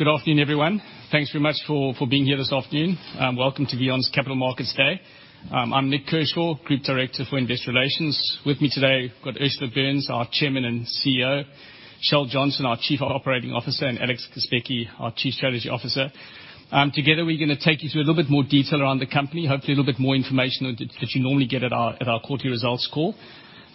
Good afternoon, everyone. Thanks very much for being here this afternoon. Welcome to VEON's Capital Markets Day. I'm Nik Kershaw, Group Director of Investor Relations. With me today, we've got Ursula Burns, our Chairman and Chief Executive Officer, Kjell Johnsen, our Chief Operating Officer, and Alex Kazbegi, our Chief Strategy Officer. Together, we're going to take you through a little bit more detail around the company, hopefully, a little bit more information than you normally get at our quarterly results call.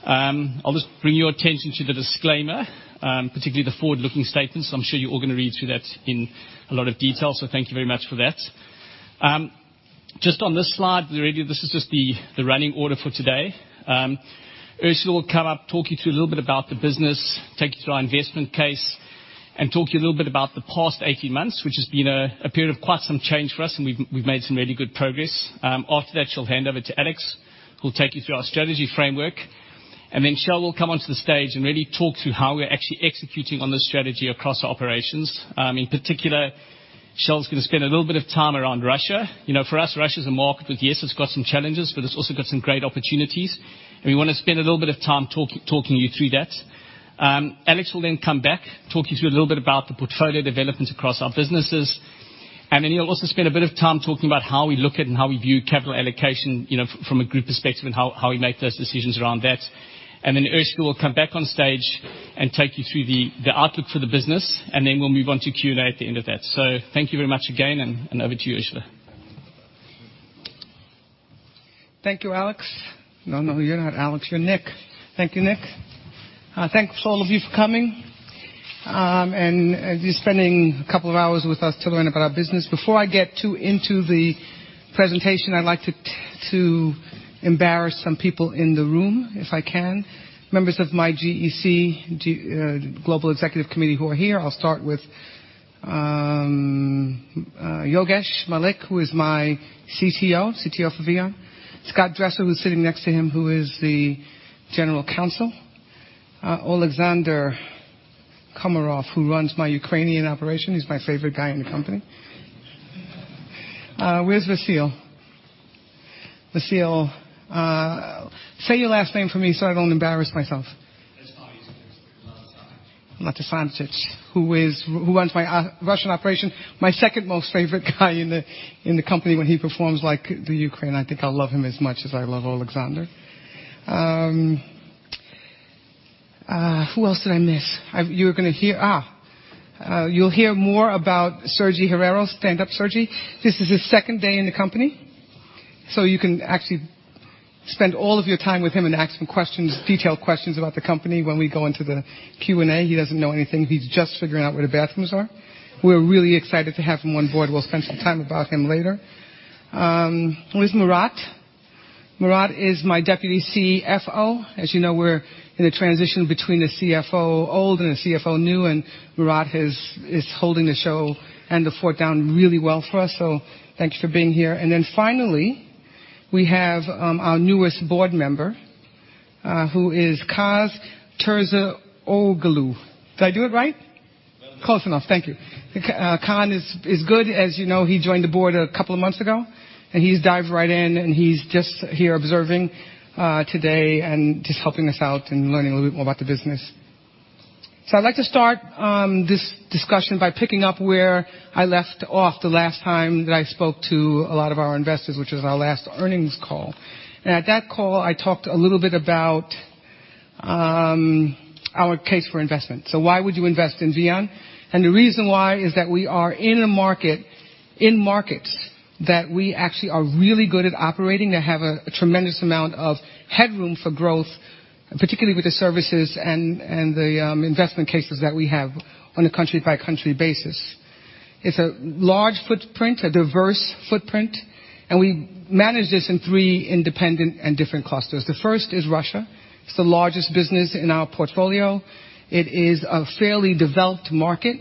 I'll just bring your attention to the disclaimer, particularly the forward-looking statements. I'm sure you're all going to read through that in a lot of detail, so thank you very much for that. Just on this slide, really, this is just the running order for today. Ursula will come up, talk you through a little bit about the business, take you through our investment case, and talk to you a little bit about the past 18 months, which has been a period of quite some change for us, and we've made some really good progress. After that, she'll hand over to Alex, who'll take you through our strategy framework, and then Kjell will come onto the stage and really talk through how we're actually executing on this strategy across our operations. In particular, Kjell's going to spend a little bit of time around Russia. For us, Russia's a market that, yes, it's got some challenges, but it's also got some great opportunities, and we want to spend a little bit of time talking you through that. Alex will then come back, talk you through a little bit about the portfolio developments across our businesses, and then he'll also spend a bit of time talking about how we look at and how we view capital allocation from a group perspective and how we make those decisions around that. Ursula will come back on stage and take you through the outlook for the business, and then we'll move on to Q&A at the end of that. Thank you very much again, and over to you, Ursula. Thank you, Alex. No, you're not Alex. You're Nik. Thank you, Nik. Thanks to all of you for coming and you spending a couple of hours with us to learn about our business. Before I get too into the presentation, I'd like to embarrass some people in the room, if I can. Members of my GEC, Global Executive Committee, who are here. I'll start with Yogesh Malik, who is my CTO for VEON. Scott Dresser, who's sitting next to him, who is the General Counsel. Oleksandr Komarov, who runs my Ukrainian operation. He's my favorite guy in the company. Where's Vasyl? Vasyl, say your last name for me so I don't embarrass myself. It's Latsanych, Vasyl Latsanych, who runs my Russian operation, my second most favorite guy in the company. When he performs like the Ukraine, I think I'll love him as much as I love Oleksandr. Who else did I miss? You'll hear more about Sergi Herrero. Stand up, Sergi. This is his second day in the company. You can actually spend all of your time with him and ask him detailed questions about the company when we go into the Q&A. He doesn't know anything. He's just figuring out where the bathrooms are. We're really excited to have him on board. We'll spend some time about him later. Where's Murat? Murat is my Deputy CFO. As you know, we're in a transition between the CFO old and the CFO new, and Murat is holding the show and the fort down really well for us. Thank you for being here. Finally, we have our newest board member, who is Kaan Terzioğlu. Did I do it right? Close enough. Thank you. Kaan is good. As you know, he joined the board a couple of months ago, and he's dived right in, and he's just here observing today and just helping us out and learning a little bit more about the business. I'd like to start this discussion by picking up where I left off the last time that I spoke to a lot of our investors, which was our last earnings call. At that call, I talked a little bit about our case for investment. Why would you invest in VEON? The reason why is that we are in markets that we actually are really good at operating, that have a tremendous amount of headroom for growth, particularly with the services and the investment cases that we have on a country-by-country basis. It's a large footprint, a diverse footprint, and we manage this in three independent and different clusters. The first is Russia. It's the largest business in our portfolio. It is a fairly developed market.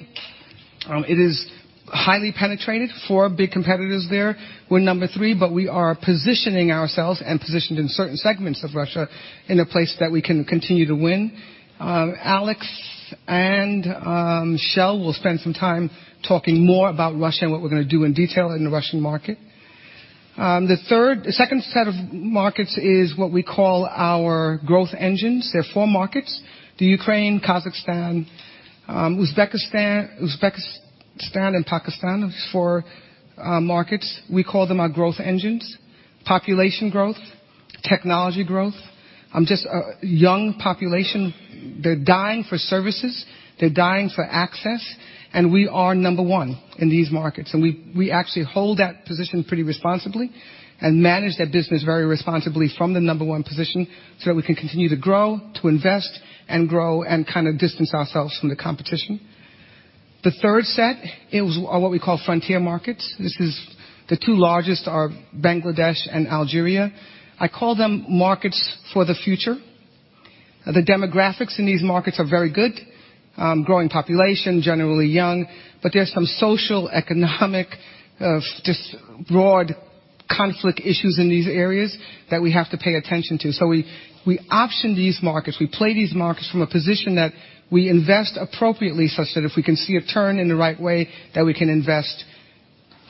It is highly penetrated, four big competitors there. We're number three, but we are positioning ourselves and positioned in certain segments of Russia in a place that we can continue to win. Alex and Kjell will spend some time talking more about Russia and what we're going to do in detail in the Russian market. The second set of markets is what we call our growth engines. There are four markets, Ukraine, Kazakhstan, Uzbekistan, and Pakistan. Those are four markets. We call them our growth engines. Population growth, technology growth, just a young population. They're dying for services. They're dying for access. We are number one in these markets. We actually hold that position pretty responsibly and manage that business very responsibly from the number one position so that we can continue to grow, to invest and grow and kind of distance ourselves from the competition. The third set is what we call frontier markets. The two largest are Bangladesh and Algeria. I call them markets for the future. The demographics in these markets are very good. Growing population, generally young. There's some social, economic, just broad conflict issues in these areas that we have to pay attention to. We option these markets. We play these markets from a position that we invest appropriately such that if we can see a turn in the right way, that we can invest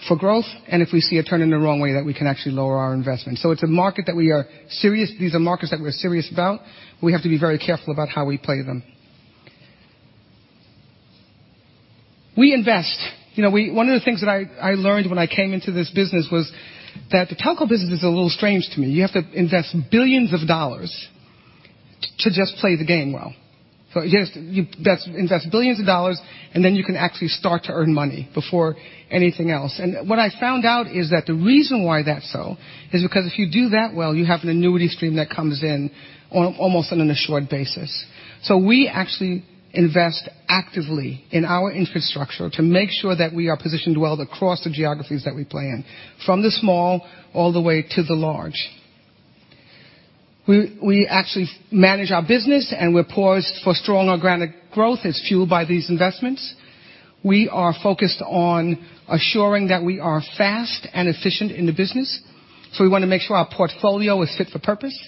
for growth, and if we see a turn in the wrong way, that we can actually lower our investment. These are markets that we're serious about. We have to be very careful about how we play them. We invest. One of the things that I learned when I came into this business was that the telco business is a little strange to me. You have to invest billions of dollars to just play the game well. You have to invest billions of dollars, and then you can actually start to earn money before anything else. What I found out is that the reason why that's so is because if you do that well, you have an annuity stream that comes in almost on a short basis. We actually invest actively in our infrastructure to make sure that we are positioned well across the geographies that we play in, from the small all the way to the large. We actually manage our business, and we're poised for strong organic growth as fueled by these investments. We are focused on assuring that we are fast and efficient in the business, so we want to make sure our portfolio is fit for purpose.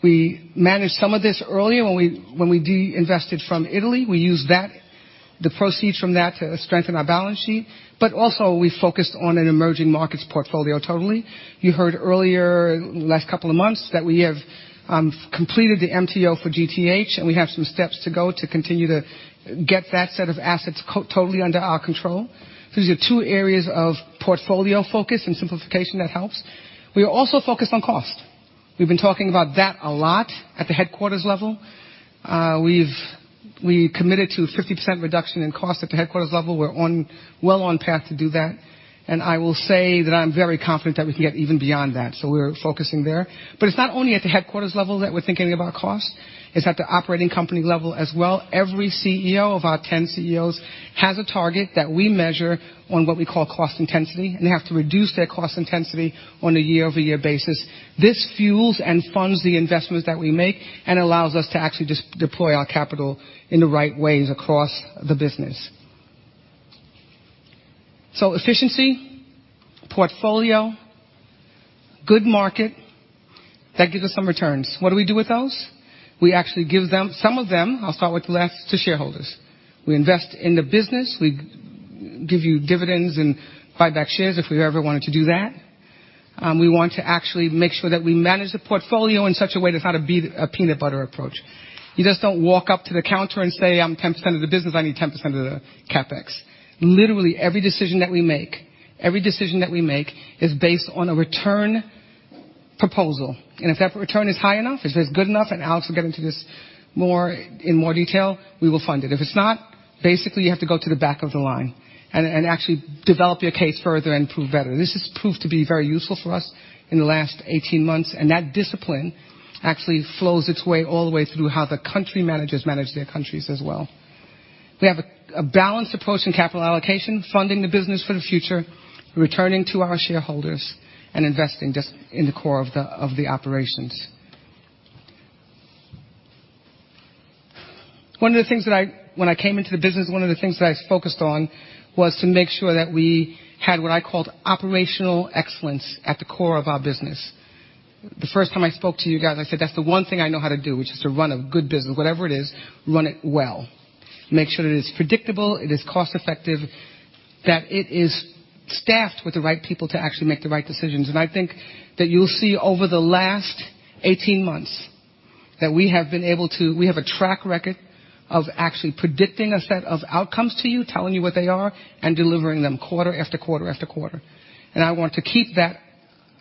We managed some of this earlier when we de-invested from Italy. We used the proceeds from that to strengthen our balance sheet, but also, we focused on an emerging markets portfolio totally. You heard earlier, last couple of months, that we have completed the MTO for GTH, and we have some steps to go to continue to get that set of assets totally under our control. These are two areas of portfolio focus and simplification that helps. We are also focused on cost. We've been talking about that a lot at the headquarters level. We committed to a 50% reduction in cost at the headquarters level. We're well on path to do that, and I will say that I'm very confident that we can get even beyond that. We're focusing there. It's not only at the headquarters level that we're thinking about cost, it's at the operating company level as well. Every CEO of our 10 CEOs has a target that we measure on what we call cost intensity, and they have to reduce their cost intensity on a year-over-year basis. This fuels and funds the investments that we make and allows us to actually deploy our capital in the right ways across the business. Efficiency, portfolio, good market, that gives us some returns. What do we do with those? We actually give some of them, I'll start with less, to shareholders. We invest in the business. We give you dividends and buy back shares if we ever wanted to do that. We want to actually make sure that we manage the portfolio in such a way that's not a peanut butter approach. You just don't walk up to the counter and say, "I'm 10% of the business. I need 10% of the CapEx." Literally, every decision that we make is based on a return proposal. If that return is high enough, if that's good enough, and Alex will get into this in more detail, we will fund it. If it's not, basically, you have to go to the back of the line and actually develop your case further and prove better. This has proved to be very useful for us in the last 18 months. That discipline actually flows its way all the way through how the country managers manage their countries as well. We have a balanced approach in capital allocation, funding the business for the future, returning to our shareholders, and investing just in the core of the operations. One of the things that when I came into the business, one of the things that I focused on was to make sure that we had what I called operational excellence at the core of our business. The first time I spoke to you guys, I said, "That's the one thing I know how to do, which is to run a good business. Whatever it is, run it well. Make sure that it is predictable, it is cost-effective, that it is staffed with the right people to actually make the right decisions. I think that you'll see over the last 18 months that we have a track record of actually predicting a set of outcomes to you, telling you what they are, and delivering them quarter after quarter after quarter. I want to keep that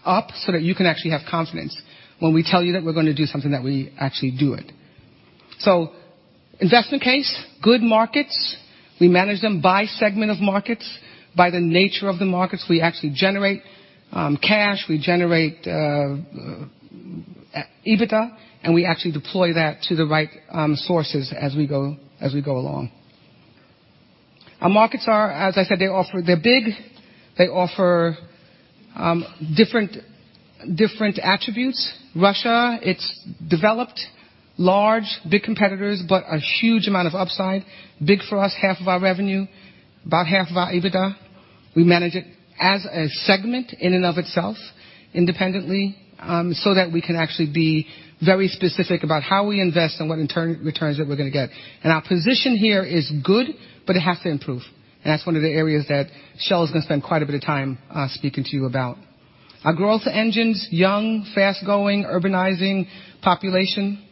up so that you can actually have confidence when we tell you that we're going to do something, that we actually do it. Investment case, good markets. We manage them by segment of markets. By the nature of the markets, we actually generate cash, we generate EBITDA, and we actually deploy that to the right sources as we go along. Our markets are, as I said, they're big. They offer different attributes. Russia, it's developed, large, big competitors, but a huge amount of upside. Big for us, half of our revenue, about half of our EBITDA. We manage it as a segment in and of itself independently, so that we can actually be very specific about how we invest and what in turn, returns that we're going to get. Our position here is good, but it has to improve. That's one of the areas that Kjell is going to spend quite a bit of time speaking to you about. Our growth engines, young, fast-growing, urbanizing population.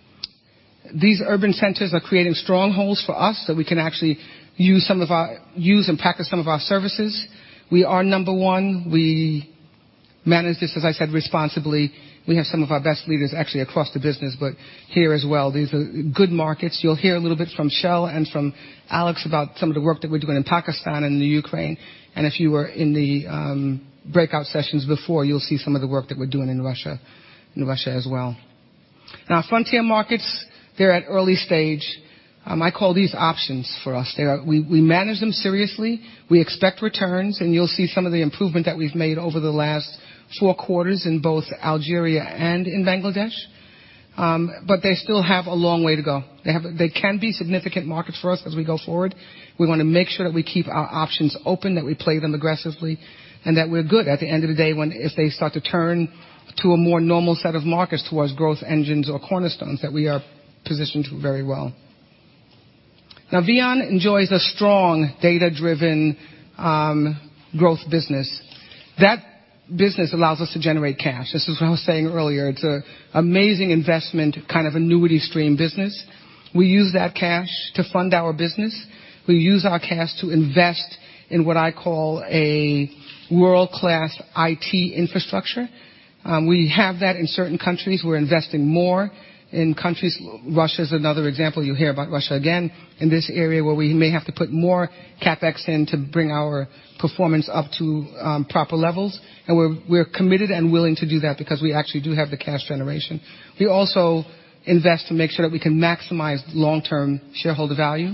These urban centers are creating strongholds for us, so we can actually use and package some of our services. We are number one. We manage this, as I said, responsibly. We have some of our best leaders actually across the business, but here as well. These are good markets. You'll hear a little bit from Kjell and from Alex about some of the work that we're doing in Pakistan and the Ukraine. If you were in the breakout sessions before, you'll see some of the work that we're doing in Russia as well. Frontier markets, they're at early stage. I call these options for us. We manage them seriously. We expect returns, and you'll see some of the improvement that we've made over the last four quarters in both Algeria and in Bangladesh. They still have a long way to go. They can be significant markets for us as we go forward. We want to make sure that we keep our options open, that we play them aggressively, and that we're good at the end of the day, if they start to turn to a more normal set of markets towards growth engines or cornerstones, that we are positioned very well. Now, VEON enjoys a strong data-driven growth business. That business allows us to generate cash. This is what I was saying earlier. It's an amazing investment, kind of annuity stream business. We use that cash to fund our business. We use our cash to invest in what I call a world-class IT infrastructure. We have that in certain countries. We're investing more in countries. Russia is another example. You'll hear about Russia again in this area, where we may have to put more CapEx in to bring our performance up to proper levels. We're committed and willing to do that because we actually do have the cash generation. We also invest to make sure that we can maximize long-term shareholder value.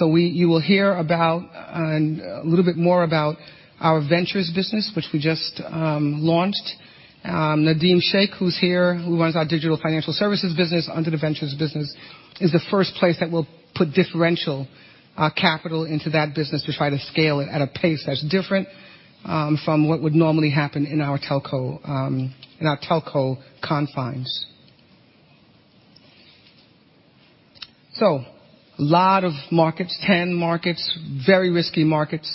You will hear a little bit more about our Ventures business, which we just launched. Nadeem Sheikh, who's here, who runs our digital financial services business under the Ventures business, is the first place that we'll put differential capital into that business to try to scale it at a pace that's different from what would normally happen in our telco confines. A lot of markets, 10 markets, very risky markets,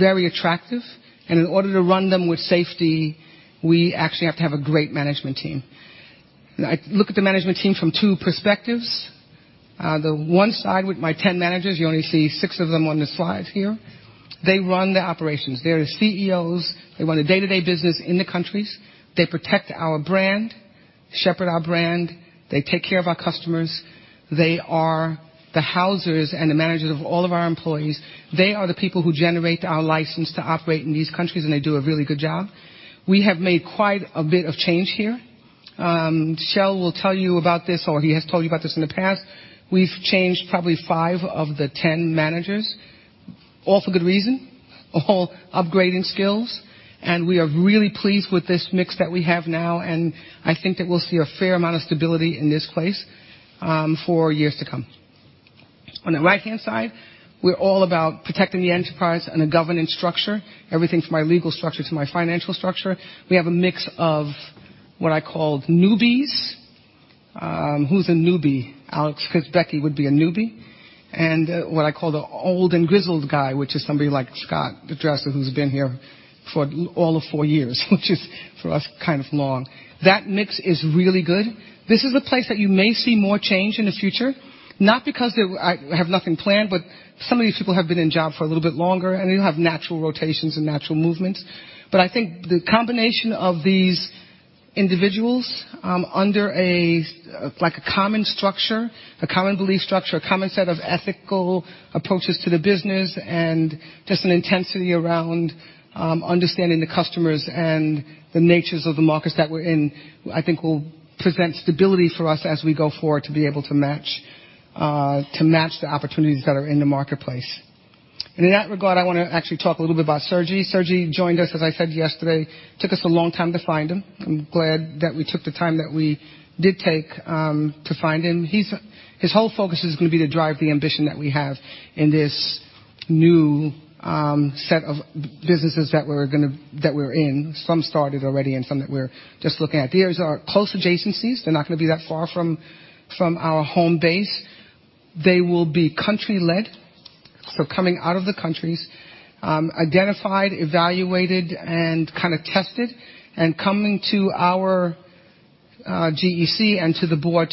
very attractive, in order to run them with safety, we actually have to have a great management team. I look at the management team from two perspectives. The one side with my 10 managers, you only see six of them on the slide here. They run the operations. They are the CEOs. They run the day-to-day business in the countries. They protect our brand, shepherd our brand. They take care of our customers. They are the housers and the managers of all of our employees. They are the people who generate our license to operate in these countries, and they do a really good job. We have made quite a bit of change here. Kjell will tell you about this, or he has told you about this in the past. We've changed probably five of the 10 managers, all for good reason, all upgrading skills. We are really pleased with this mix that we have now. I think that we'll see a fair amount of stability in this place for years to come. On the right-hand side, we're all about protecting the enterprise and the governance structure, everything from my legal structure to my financial structure. We have a mix of what I call newbies. Who's a newbie, Alex? Becky would be a newbie. What I call the old and grizzled guy, which is somebody like Scott, who's been here for all of four years, which is, for us, kind of long. That mix is really good. This is a place that you may see more change in the future, not because I have nothing planned, but some of these people have been in job for a little bit longer, and you'll have natural rotations and natural movements. I think the combination of these individuals under a common structure, a common belief structure, a common set of ethical approaches to the business, and just an intensity around understanding the customers and the natures of the markets that we're in, I think, will present stability for us as we go forward to be able to match the opportunities that are in the marketplace. In that regard, I want to actually talk a little bit about Sergi. Sergi joined us, as I said yesterday. It took us a long time to find him. I'm glad that we took the time that we did take to find him. His whole focus is going to be to drive the ambition that we have in this new set of businesses that we're in. Some started already and some that we're just looking at. These are close adjacencies. They're not going to be that far from our home base. They will be country-led, so coming out of the countries, identified, evaluated, and kind of tested, and coming to our GEC and to the board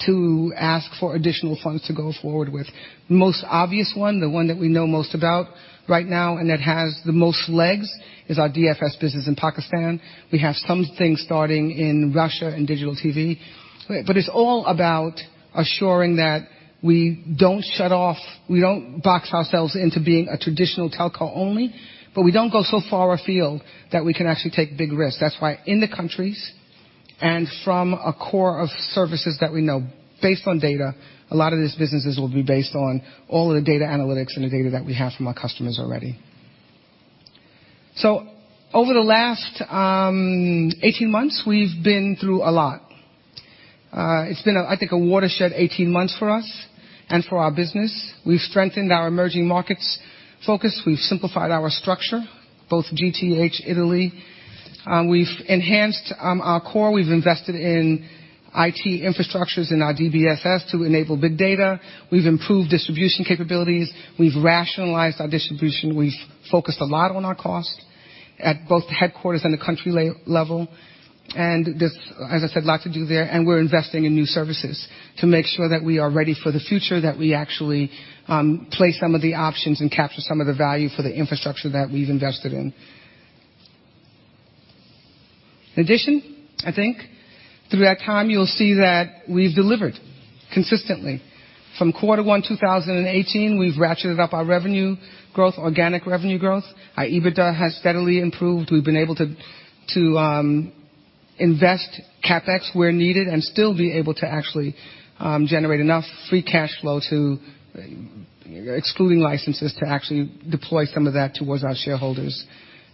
to ask for additional funds to go forward with. Most obvious one, the one that we know most about right now and that has the most legs, is our DFS business in Pakistan. We have some things starting in Russia in digital TV. It's all about assuring that we don't shut off, we don't box ourselves into being a traditional telco only, but we don't go so far afield that we can actually take big risks. That's why in the countries and from a core of services that we know, based on data, a lot of these businesses will be based on all of the data analytics and the data that we have from our customers already. Over the last 18 months, we've been through a lot. It's been, I think, a watershed 18 months for us and for our business. We've strengthened our emerging markets focus. We've simplified our structure, both GTH, Italy. We've enhanced our core. We've invested in IT infrastructures in our DBSS to enable big data. We've improved distribution capabilities. We've rationalized our distribution. We've focused a lot on our cost at both the headquarters and the country level. There's, as I said, a lot to do there, and we're investing in new services to make sure that we are ready for the future, that we actually play some of the options and capture some of the value for the infrastructure that we've invested in. In addition, I think, through that time, you'll see that we've delivered consistently. From quarter one 2018, we've ratcheted up our revenue growth, organic revenue growth. Our EBITDA has steadily improved. We've been able to invest CapEx where needed and still be able to actually generate enough free cash flow, excluding licenses, to actually deploy some of that towards our shareholders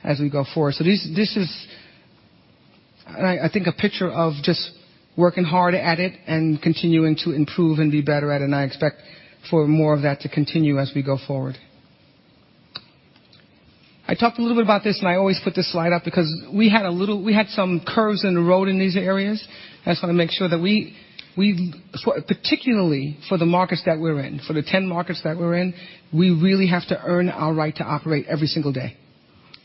as we go forward. This is, I think, a picture of just working hard at it and continuing to improve and be better at, and I expect for more of that to continue as we go forward. I talked a little bit about this. I always put this slide up because we had some curves in the road in these areas. I just want to make sure that we, particularly for the markets that we're in, for the 10 markets that we're in, we really have to earn our right to operate every single day.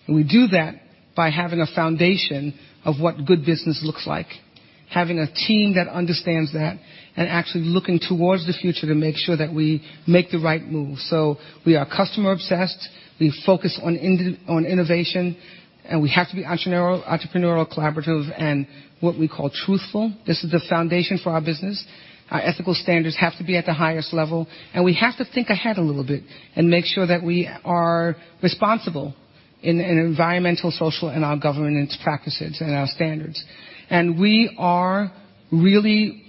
We do that by having a foundation of what good business looks like, having a team that understands that, and actually looking towards the future to make sure that we make the right move. We are customer obsessed, we focus on innovation, and we have to be entrepreneurial, collaborative and what we call truthful. This is the foundation for our business. Our ethical standards have to be at the highest level, and we have to think ahead a little bit and make sure that we are responsible in environmental, social, and our governance practices and our standards. We are really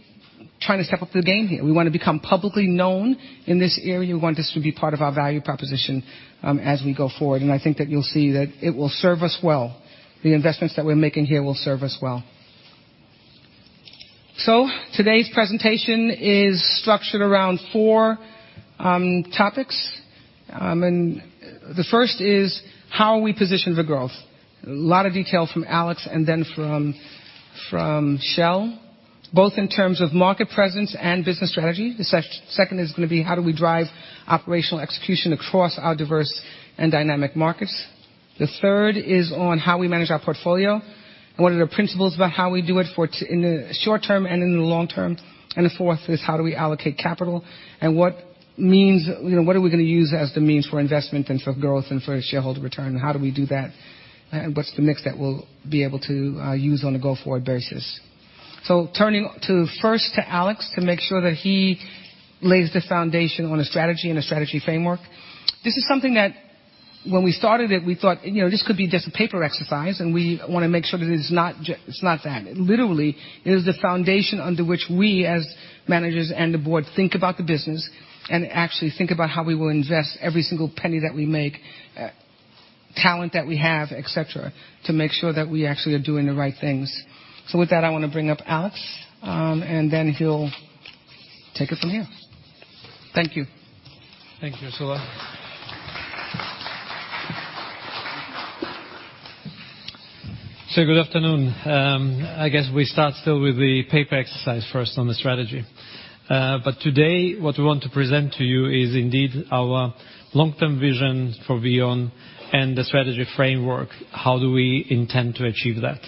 trying to step up the game here. We want to become publicly known in this area. We want this to be part of our value proposition, as we go forward. I think that you'll see that it will serve us well. The investments that we're making here will serve us well. Today's presentation is structured around four topics. The first is how we position for growth. A lot of detail from Alex and then from Kjell, both in terms of market presence and business strategy. The second is going to be how do we drive operational execution across our diverse and dynamic markets. The third is on how we manage our portfolio and what are the principles about how we do it in the short term and in the long term. The fourth is how do we allocate capital and what are we going to use as the means for investment and for growth and for shareholder return, and how do we do that, and what's the mix that we'll be able to use on a go-forward basis? Turning first to Alex to make sure that he lays the foundation on a strategy and a strategy framework. This is something that when we started it, we thought this could be just a paper exercise, and we want to make sure that it's not that. Literally, it is the foundation under which we, as managers and the board, think about the business and actually think about how we will invest every single penny that we make, talent that we have, et cetera, to make sure that we actually are doing the right things. With that, I want to bring up Alex, and then he'll take it from here. Thank you. Thank you, Ursula. Good afternoon. I guess we start still with the paper exercise first on the strategy. Today what we want to present to you is indeed our long-term vision for VEON and the strategy framework, how do we intend to achieve that?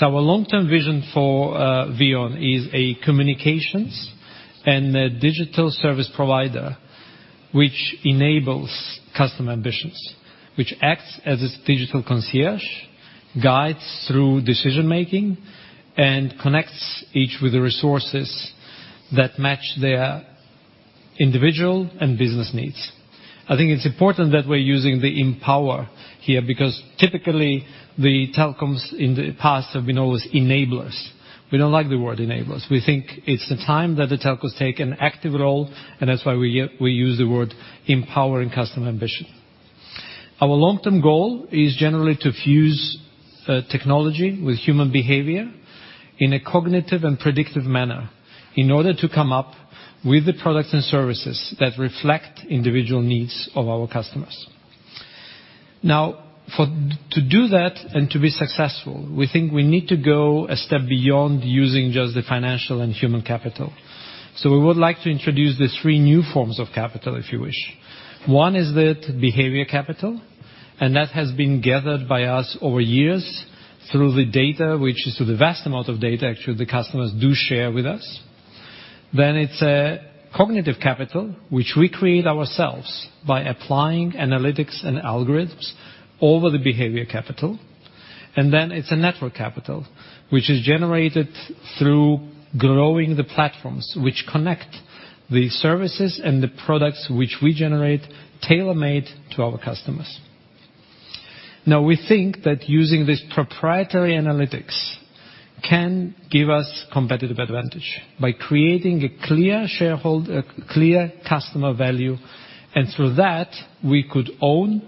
Our long-term vision for VEON is a communications and a digital service provider, which enables customer ambitions, which acts as its digital concierge, guides through decision-making, and connects each with the resources that match their individual and business needs. I think it's important that we're using the empower here, because typically, the telecoms in the past have been always enablers. We don't like the word enablers. We think it's the time that the telcos take an active role, and that's why we use the word empowering customer ambition. Our long-term goal is generally to fuse technology with human behavior in a cognitive and predictive manner in order to come up with the products and services that reflect individual needs of our customers. To do that and to be successful, we think we need to go a step beyond using just the financial and human capital. We would like to introduce the three new forms of capital, if you wish. One is the behavior capital, and that has been gathered by us over years through the data, which is the vast amount of data actually the customers do share with us. It's cognitive capital, which we create ourselves by applying analytics and algorithms over the behavior capital. It's a network capital, which is generated through growing the platforms which connect the services and the products which we generate tailor-made to our customers. We think that using this proprietary analytics can give us competitive advantage by creating a clear customer value, and through that, we could own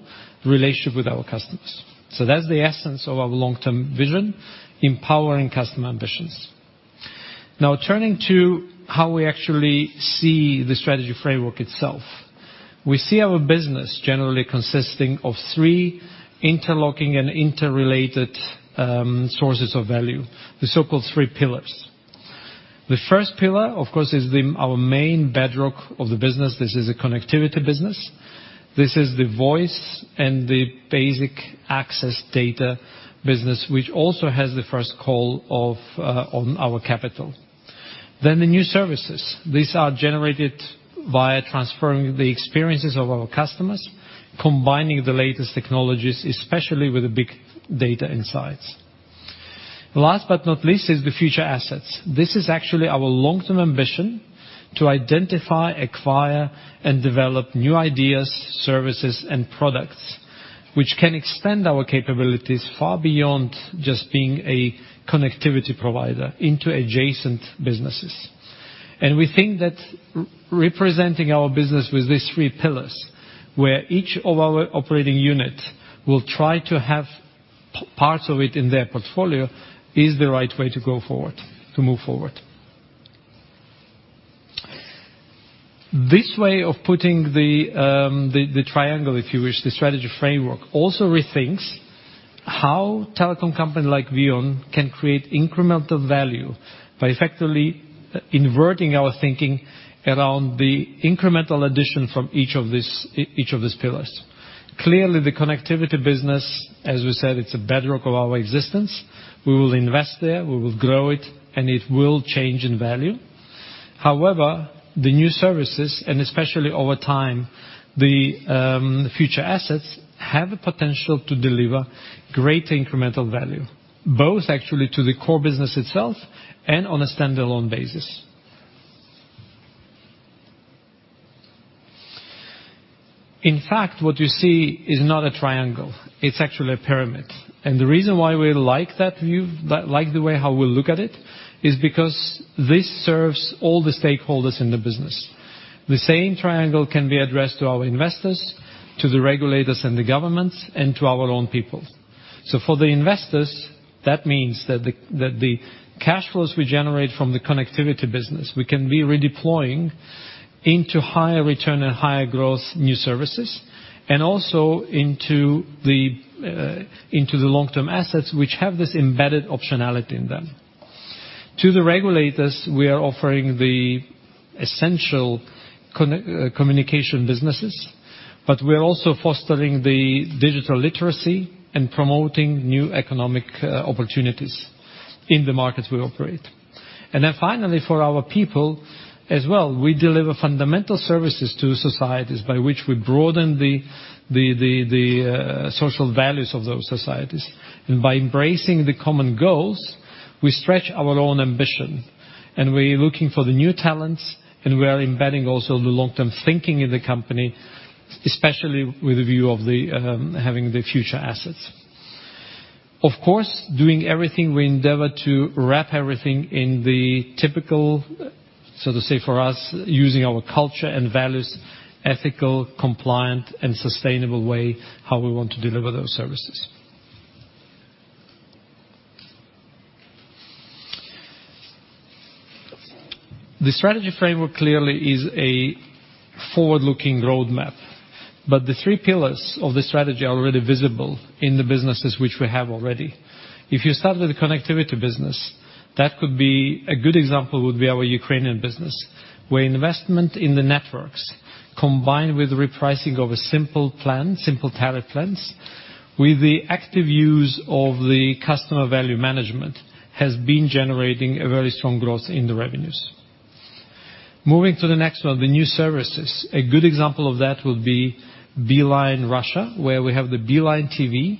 the relationship with our customers. That's the essence of our long-term vision, empowering customer ambitions. Turning to how we actually see the strategy framework itself. We see our business generally consisting of three interlocking and interrelated sources of value, the so-called three pillars. The first pillar, of course, is our main bedrock of the business. This is the connectivity business. This is the voice and the basic access data business, which also has the first call on our capital. The new services. These are generated via transferring the experiences of our customers, combining the latest technologies, especially with the big data insights. Last but not least is the future assets. This is actually our long-term ambition to identify, acquire, and develop new ideas, services, and products which can extend our capabilities far beyond just being a connectivity provider into adjacent businesses. We think that representing our business with these three pillars, where each of our operating units will try to have parts of it in their portfolio, is the right way to go forward, to move forward. This way of putting the triangle, if you wish, the strategy framework, also rethinks how telecom companies like VEON can create incremental value by effectively inverting our thinking around the incremental addition from each of these pillars. Clearly, the connectivity business, as we said, it's a bedrock of our existence. We will invest there, we will grow it, and it will change in value. The new services, and especially over time, the future assets, have a potential to deliver great incremental value, both actually to the core business itself and on a standalone basis. In fact, what you see is not a triangle. It's actually a pyramid. The reason why we like the way how we look at it is because this serves all the stakeholders in the business. The same triangle can be addressed to our investors, to the regulators and the governments, and to our own people. For the investors, that means that the cash flows we generate from the connectivity business, we can be redeploying into higher return and higher growth new services, and also into the long-term assets which have this embedded optionality in them. To the regulators, we are offering the essential communication businesses, but we're also fostering the digital literacy and promoting new economic opportunities in the markets we operate. Finally, for our people as well, we deliver fundamental services to societies by which we broaden the social values of those societies. By embracing the common goals, we stretch our own ambition. We're looking for the new talents, and we are embedding also the long-term thinking in the company, especially with the view of having the future assets. Of course, doing everything we endeavor to wrap everything in the typical, so to say, for us, using our culture and values, ethical, compliant, and sustainable way, how we want to deliver those services. The strategy framework clearly is a forward-looking roadmap, but the three pillars of the strategy are already visible in the businesses which we have already. If you start with the connectivity business, a good example would be our Ukrainian business, where investment in the networks, combined with repricing of a simple tariff plans, with the active use of the customer value management, has been generating a very strong growth in the revenues. Moving to the next one, the new services. A good example of that would be Beeline Russia, where we have the Beeline TV,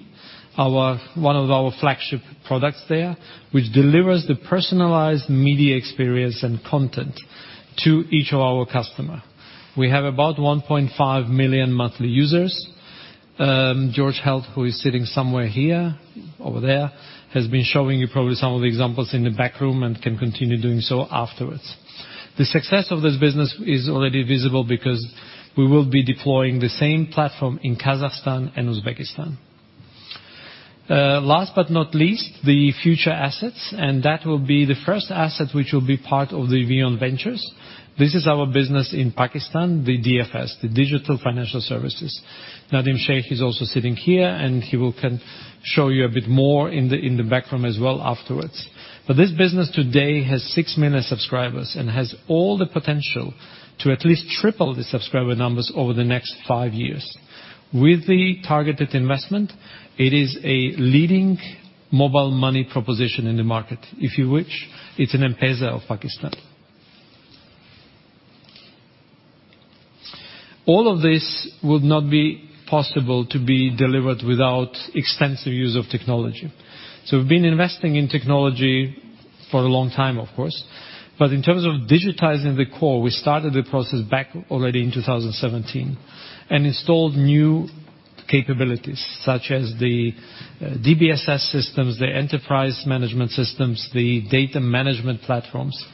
one of our flagship products there, which delivers the personalized media experience and content to each of our customer. We have about 1.5 million monthly users. George Held, who is sitting somewhere here, over there, has been showing you probably some of the examples in the back room and can continue doing so afterwards. The success of this business is already visible because we will be deploying the same platform in Kazakhstan and Uzbekistan. Last but not least, the future assets, and that will be the first asset which will be part of the VEON Ventures. This is our business in Pakistan, the DFS, the Digital Financial Services. Nadeem Sheikh is also sitting here, and he can show you a bit more in the back room as well afterwards. This business today has six million subscribers and has all the potential to at least triple the subscriber numbers over the next five years. With the targeted investment, it is a leading mobile money proposition in the market. If you wish, it's an M-PESA of Pakistan. All of this would not be possible to be delivered without extensive use of technology. We've been investing in technology for a long time, of course. In terms of digitizing the core, we started the process back already in 2017 and installed new capabilities such as the DBSS systems, the enterprise management systems, the data management platforms.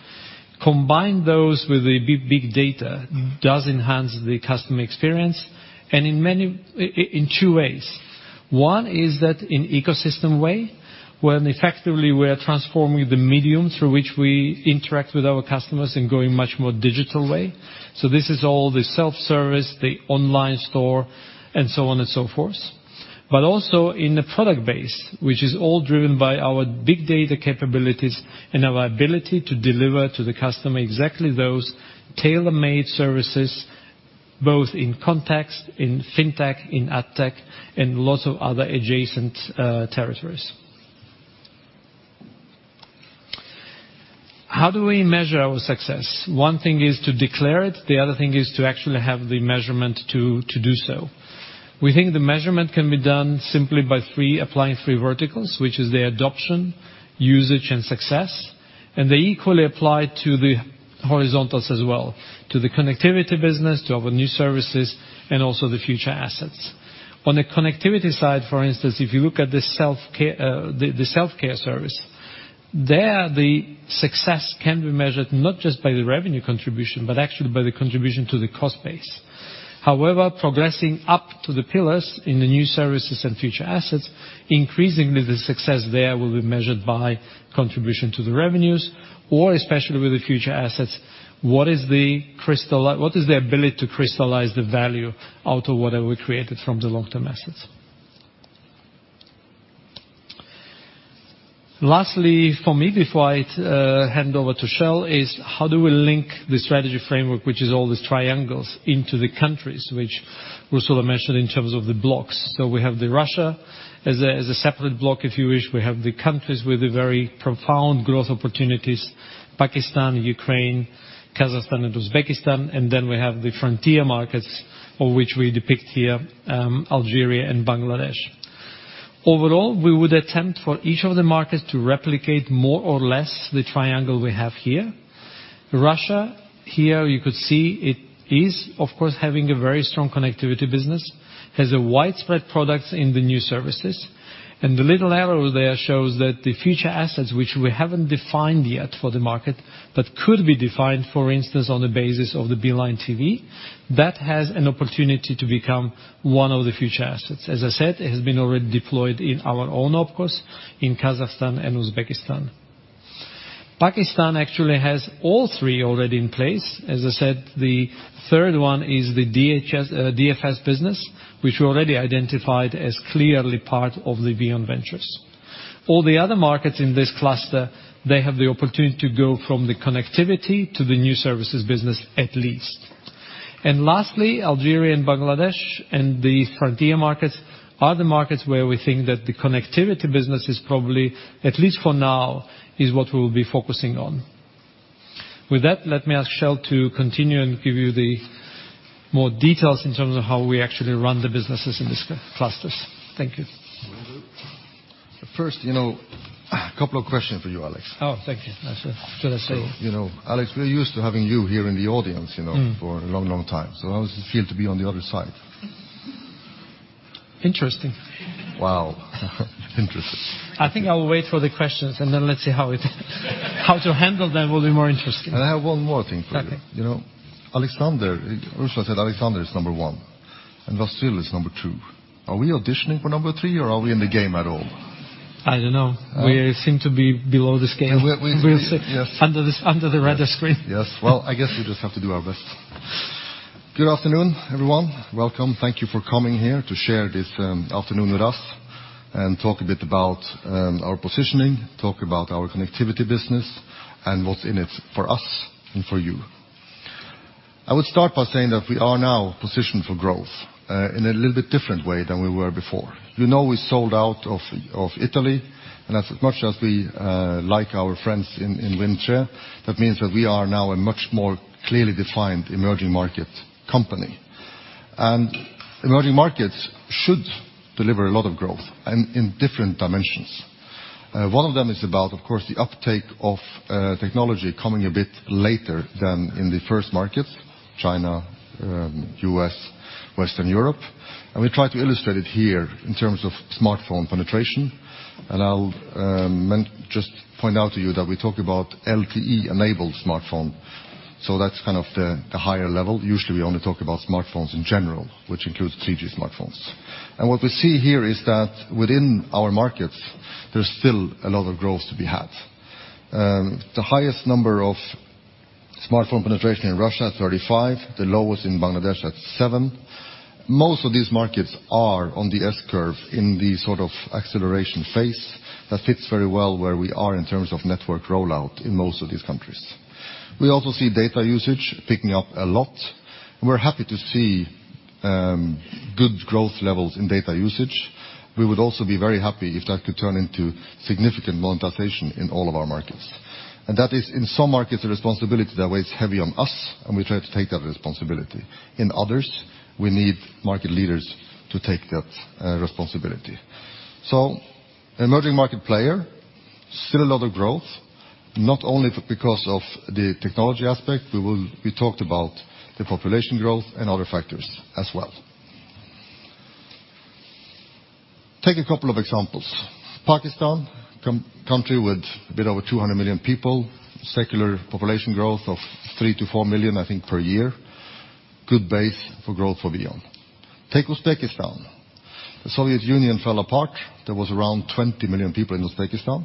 Combine those with the big data does enhance the customer experience in two ways. One is that in ecosystem way, when effectively we are transforming the medium through which we interact with our customers and going much more digital way. This is all the self-service, the online store, and so on and so forth. Also in the product base, which is all driven by our big data capabilities and our ability to deliver to the customer exactly those tailor-made services, both in context, in fintech, in agtech, and lots of other adjacent territories. How do we measure our success? One thing is to declare it, the other thing is to actually have the measurement to do so. We think the measurement can be done simply by applying three verticals, which is the adoption, usage, and success. They equally apply to the horizontals as well, to the connectivity business, to our new services, and also the future assets. On the connectivity side, for instance, if you look at the self-care service, there the success can be measured not just by the revenue contribution but actually by the contribution to the cost base. However, progressing up to the pillars in the new services and future assets, increasingly, the success there will be measured by contribution to the revenues or, especially with the future assets, what is the ability to crystallize the value out of whatever we created from the long-term assets? Lastly, for me, before I hand over to Kjell, is how do we link the strategy framework, which is all these triangles, into the countries, which Ursula mentioned in terms of the blocks. We have Russia as a separate block, if you wish. We have the countries with the very profound growth opportunities, Pakistan, Ukraine, Kazakhstan, and Uzbekistan. Then we have the frontier markets, of which we depict here, Algeria and Bangladesh. Overall, we would attempt for each of the markets to replicate more or less the triangle we have here. Russia, here you could see it is, of course, having a very strong connectivity business, has widespread products in the new services, and the little arrow there shows that the future assets, which we haven't defined yet for the market, but could be defined, for instance, on the basis of the Beeline TV, that has an opportunity to become one of the future assets. As I said, it has been already deployed in our own opcos in Kazakhstan and Uzbekistan. Pakistan actually has all three already in place. As I said, the third one is the DFS business, which we already identified as clearly part of the VEON Ventures. All the other markets in this cluster, they have the opportunity to go from the connectivity to the new services business at least. Lastly, Algeria and Bangladesh and these frontier markets are the markets where we think that the connectivity business is probably, at least for now, is what we'll be focusing on. With that, let me ask Kjell to continue and give you more details in terms of how we actually run the businesses in these clusters. Thank you. First, a couple of questions for you, Alex. Oh, thank you. Sure. Should I say- Alex, we're used to having you here in the audience. for a long, long time. How does it feel to be on the other side? Interesting. Wow. Interesting. I think I will wait for the questions, and then let's see how to handle them will be more interesting. I have one more thing for you. Okay. Alexander. Ursula said Alexander is number 1 and Vasyl is number 2. Are we auditioning for number 3, or are we in the game at all? I don't know. We seem to be below this game. We- Under the radar screen. Yes. Well, I guess we just have to do our best. Good afternoon, everyone. Welcome. Thank you for coming here to share this afternoon with us and talk a bit about our positioning, talk about our connectivity business, and what's in it for us and for you. I would start by saying that we are now positioned for growth in a little bit different way than we were before. You know we sold out of Italy, and as much as we like our friends in Wind Tre, that means that we are now a much more clearly defined emerging market company. And emerging markets should deliver a lot of growth and in different dimensions. One of them is about, of course, the uptake of technology coming a bit later than in the first markets, China, U.S., Western Europe. And we try to illustrate it here in terms of smartphone penetration. I'll just point out to you that we talk about LTE-enabled smartphone. That's the higher level. Usually, we only talk about smartphones in general, which includes 3G smartphones. What we see here is that within our markets, there's still a lot of growth to be had. The highest number of smartphone penetration in Russia is 35%, the lowest in Bangladesh at 7%. Most of these markets are on the S-curve in the acceleration phase that fits very well where we are in terms of network rollout in most of these countries. We also see data usage picking up a lot, and we're happy to see good growth levels in data usage. We would also be very happy if that could turn into significant monetization in all of our markets. That is, in some markets, a responsibility that weighs heavy on us, and we try to take that responsibility. In others, we need market leaders to take that responsibility. An emerging market player, still a lot of growth, not only because of the technology aspect. We talked about the population growth and other factors as well. Take a couple of examples. Pakistan, country with a bit over 200 million people, secular population growth of 3 million-4 million, I think, per year. Good base for growth for VEON. Take Uzbekistan. The Soviet Union fell apart. There was around 20 million people in Uzbekistan.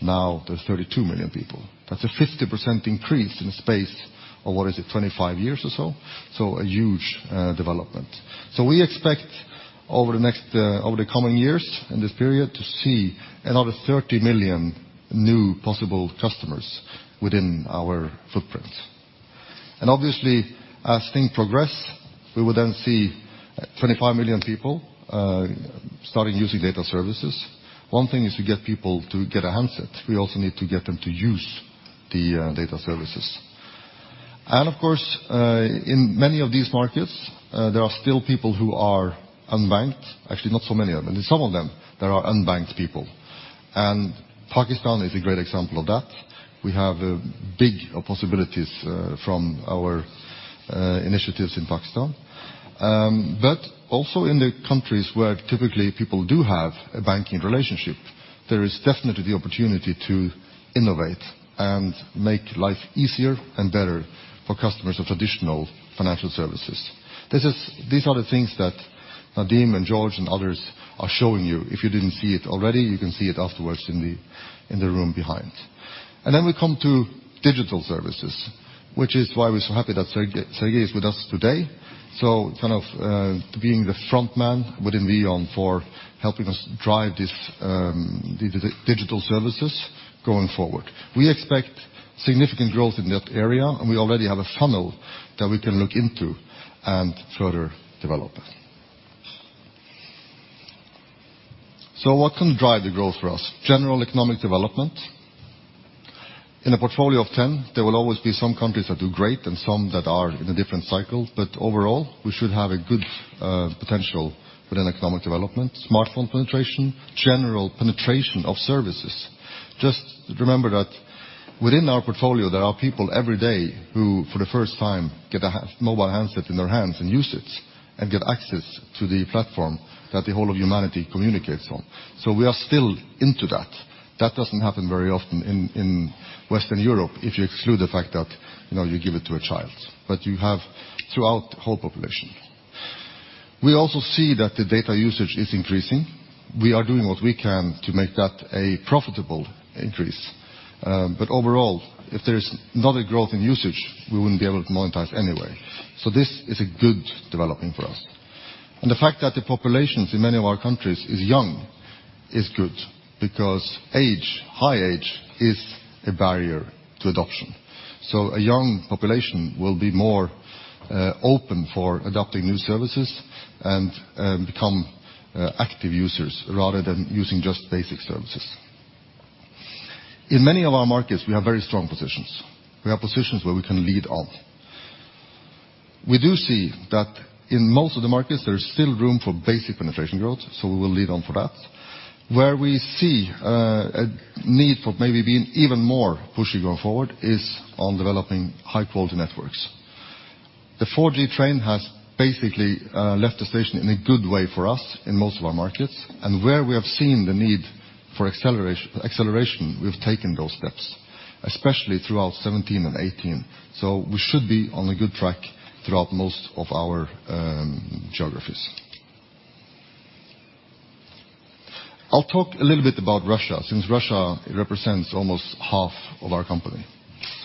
Now there's 32 million people. That's a 50% increase in the space of, what is it, 25 years or so. A huge development. We expect over the coming years in this period to see another 30 million new possible customers within our footprint. Obviously, as things progress, we will then see 25 million people starting using data services. One thing is to get people to get a handset. We also need to get them to use the data services. Of course, in many of these markets, there are still people who are unbanked. Actually, not so many of them. In some of them, there are unbanked people. Pakistan is a great example of that. We have big possibilities from our initiatives in Pakistan. Also in the countries where typically people do have a banking relationship, there is definitely the opportunity to innovate and make life easier and better for customers of traditional financial services. These are the things that Nadeem and George and others are showing you. If you didn't see it already, you can see it afterwards in the room behind. We come to digital services, which is why we're so happy that Sergi is with us today. Kind of to being the front man within VEON for helping us drive these digital services going forward. We expect significant growth in that area, and we already have a funnel that we can look into and further develop. What can drive the growth for us? General economic development. In a portfolio of 10, there will always be some countries that do great and some that are in a different cycle. Overall, we should have a good potential with an economic development, smartphone penetration, general penetration of services. Just remember that within our portfolio, there are people every day who, for the first time, get a mobile handset in their hands and use it and get access to the platform that the whole of humanity communicates on. We are still into that. That doesn't happen very often in Western Europe if you exclude the fact that you give it to a child. You have throughout the whole population. We also see that the data usage is increasing. We are doing what we can to make that a profitable increase. Overall, if there is not a growth in usage, we wouldn't be able to monetize anyway. This is a good development for us. The fact that the populations in many of our countries is young is good because age, high age, is a barrier to adoption. A young population will be more open for adopting new services and become active users rather than using just basic services. In many of our markets, we have very strong positions. We have positions where we can lead on. We do see that in most of the markets, there is still room for basic penetration growth, so we will lead on for that. Where we see a need for maybe being even more pushy going forward is on developing high-quality networks. The 4G train has basically left the station in a good way for us in most of our markets, and where we have seen the need for acceleration, we've taken those steps, especially throughout 2017 and 2018. We should be on a good track throughout most of our geographies. I'll talk a little bit about Russia, since Russia represents almost half of our company.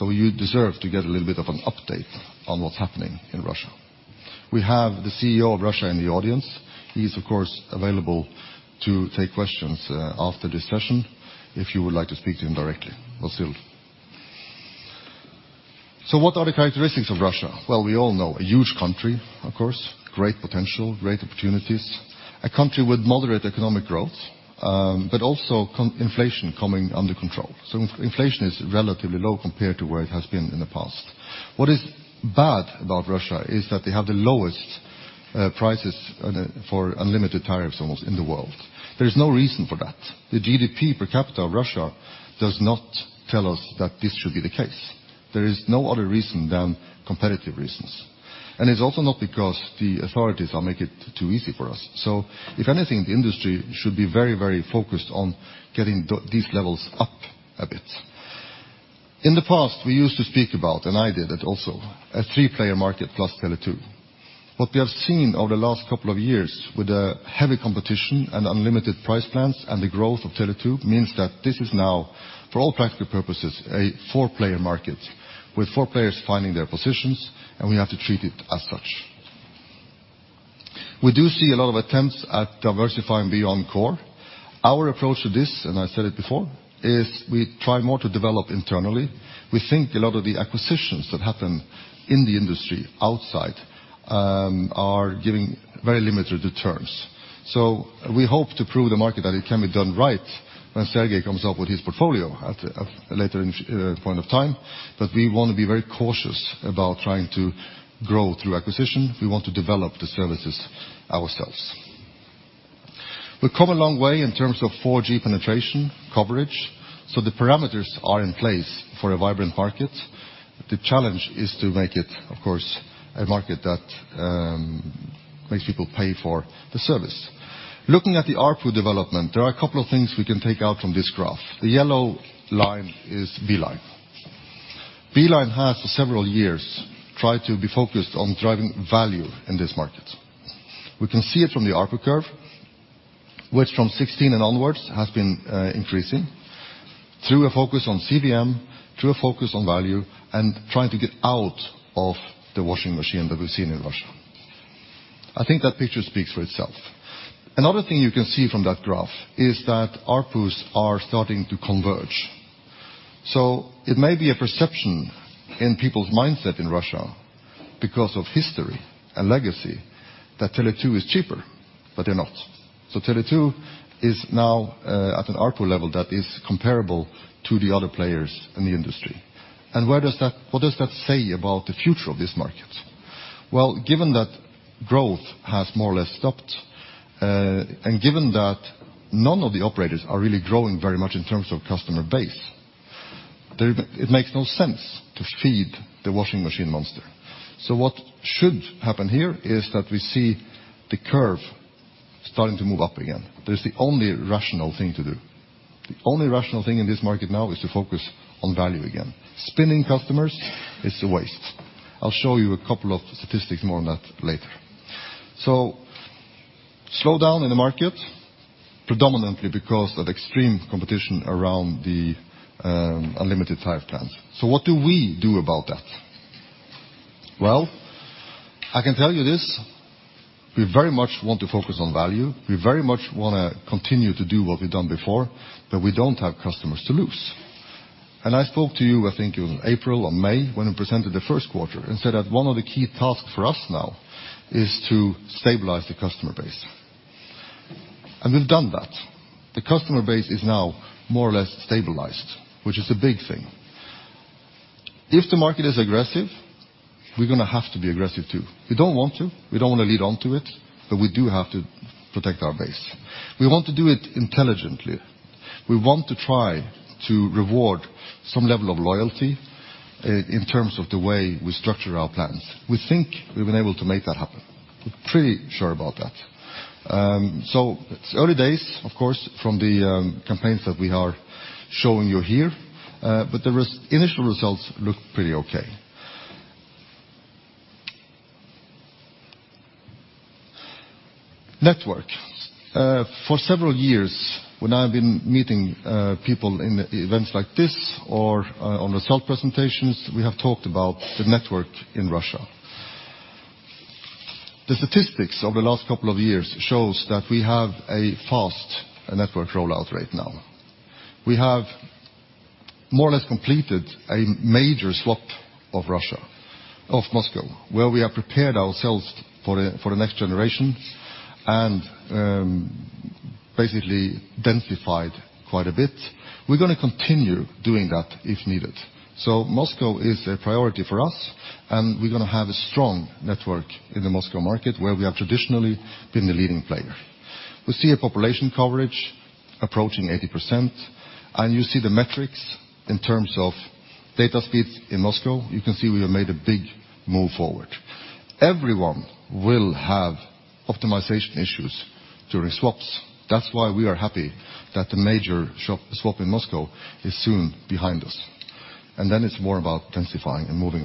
You deserve to get a little bit of an update on what's happening in Russia. We have the CEO of Russia in the audience. He is, of course, available to take questions after this session if you would like to speak to him directly. Vasyl. What are the characteristics of Russia? Well, we all know a huge country, of course, great potential, great opportunities, a country with moderate economic growth, but also inflation coming under control. Inflation is relatively low compared to where it has been in the past. What is bad about Russia is that they have the lowest prices for unlimited tariffs almost in the world. There is no reason for that. The GDP per capita of Russia does not tell us that this should be the case. There is no other reason than competitive reasons. It is also not because the authorities are make it too easy for us. If anything, the industry should be very focused on getting these levels up a bit. In the past, we used to speak about, and I did it also, a three-player market plus Tele2. What we have seen over the last couple of years with the heavy competition and unlimited price plans and the growth of Tele2 means that this is now, for all practical purposes, a four-player market with four players finding their positions, and we have to treat it as such. We do see a lot of attempts at diversifying beyond core. Our approach to this, and I said it before, is we try more to develop internally. We think a lot of the acquisitions that happen in the industry outside are giving very limited returns. We hope to prove the market that it can be done right when Sergi comes up with his portfolio at a later point of time. We want to be very cautious about trying to grow through acquisition. We want to develop the services ourselves. We've come a long way in terms of 4G penetration coverage, so the parameters are in place for a vibrant market. The challenge is to make it, of course, a market that makes people pay for the service. Looking at the ARPU development, there are a couple of things we can take out from this graph. The yellow line is Beeline. Beeline has for several years tried to be focused on driving value in this market. We can see it from the ARPU curve, which from 2016 and onwards has been increasing through a focus on CVM, through a focus on value, and trying to get out of the washing machine that we've seen in Russia. I think that picture speaks for itself. Another thing you can see from that graph is that ARPUs are starting to converge. It may be a perception in people's mindset in Russia because of history and legacy that Tele2 is cheaper, but they're not. Tele2 is now at an ARPU level that is comparable to the other players in the industry. What does that say about the future of this market? Given that growth has more or less stopped, and given that none of the operators are really growing very much in terms of customer base. It makes no sense to feed the washing machine monster. What should happen here is that we see the curve starting to move up again. That is the only rational thing to do. The only rational thing in this market now is to focus on value again. Spinning customers is a waste. I'll show you a couple of statistics more on that later. Slowdown in the market, predominantly because of extreme competition around the unlimited tariff plans. What do we do about that? Well, I can tell you this, we very much want to focus on value. We very much want to continue to do what we've done before, but we don't have customers to lose. I spoke to you, I think it was in April or May, when we presented the first quarter, and said that one of the key tasks for us now is to stabilize the customer base. We've done that. The customer base is now more or less stabilized, which is a big thing. If the market is aggressive, we're going to have to be aggressive too. We don't want to. We don't want to lead on to it, but we do have to protect our base. We want to do it intelligently. We want to try to reward some level of loyalty in terms of the way we structure our plans. We think we've been able to make that happen. We're pretty sure about that. It's early days, of course, from the campaigns that we are showing you here, but the initial results look pretty okay. Network. For several years, when I've been meeting people in events like this or on result presentations, we have talked about the network in Russia. The statistics over the last couple of years shows that we have a fast network rollout right now. We have more or less completed a major swap of Russia, of Moscow, where we have prepared ourselves for the next generation and basically densified quite a bit. We're going to continue doing that if needed. Moscow is a priority for us, and we're going to have a strong network in the Moscow market, where we have traditionally been the leading player. We see a population coverage approaching 80%, and you see the metrics in terms of data speeds in Moscow. You can see we have made a big move forward. Everyone will have optimization issues during swaps. That's why we are happy that the major swap in Moscow is soon behind us. It's more about densifying and moving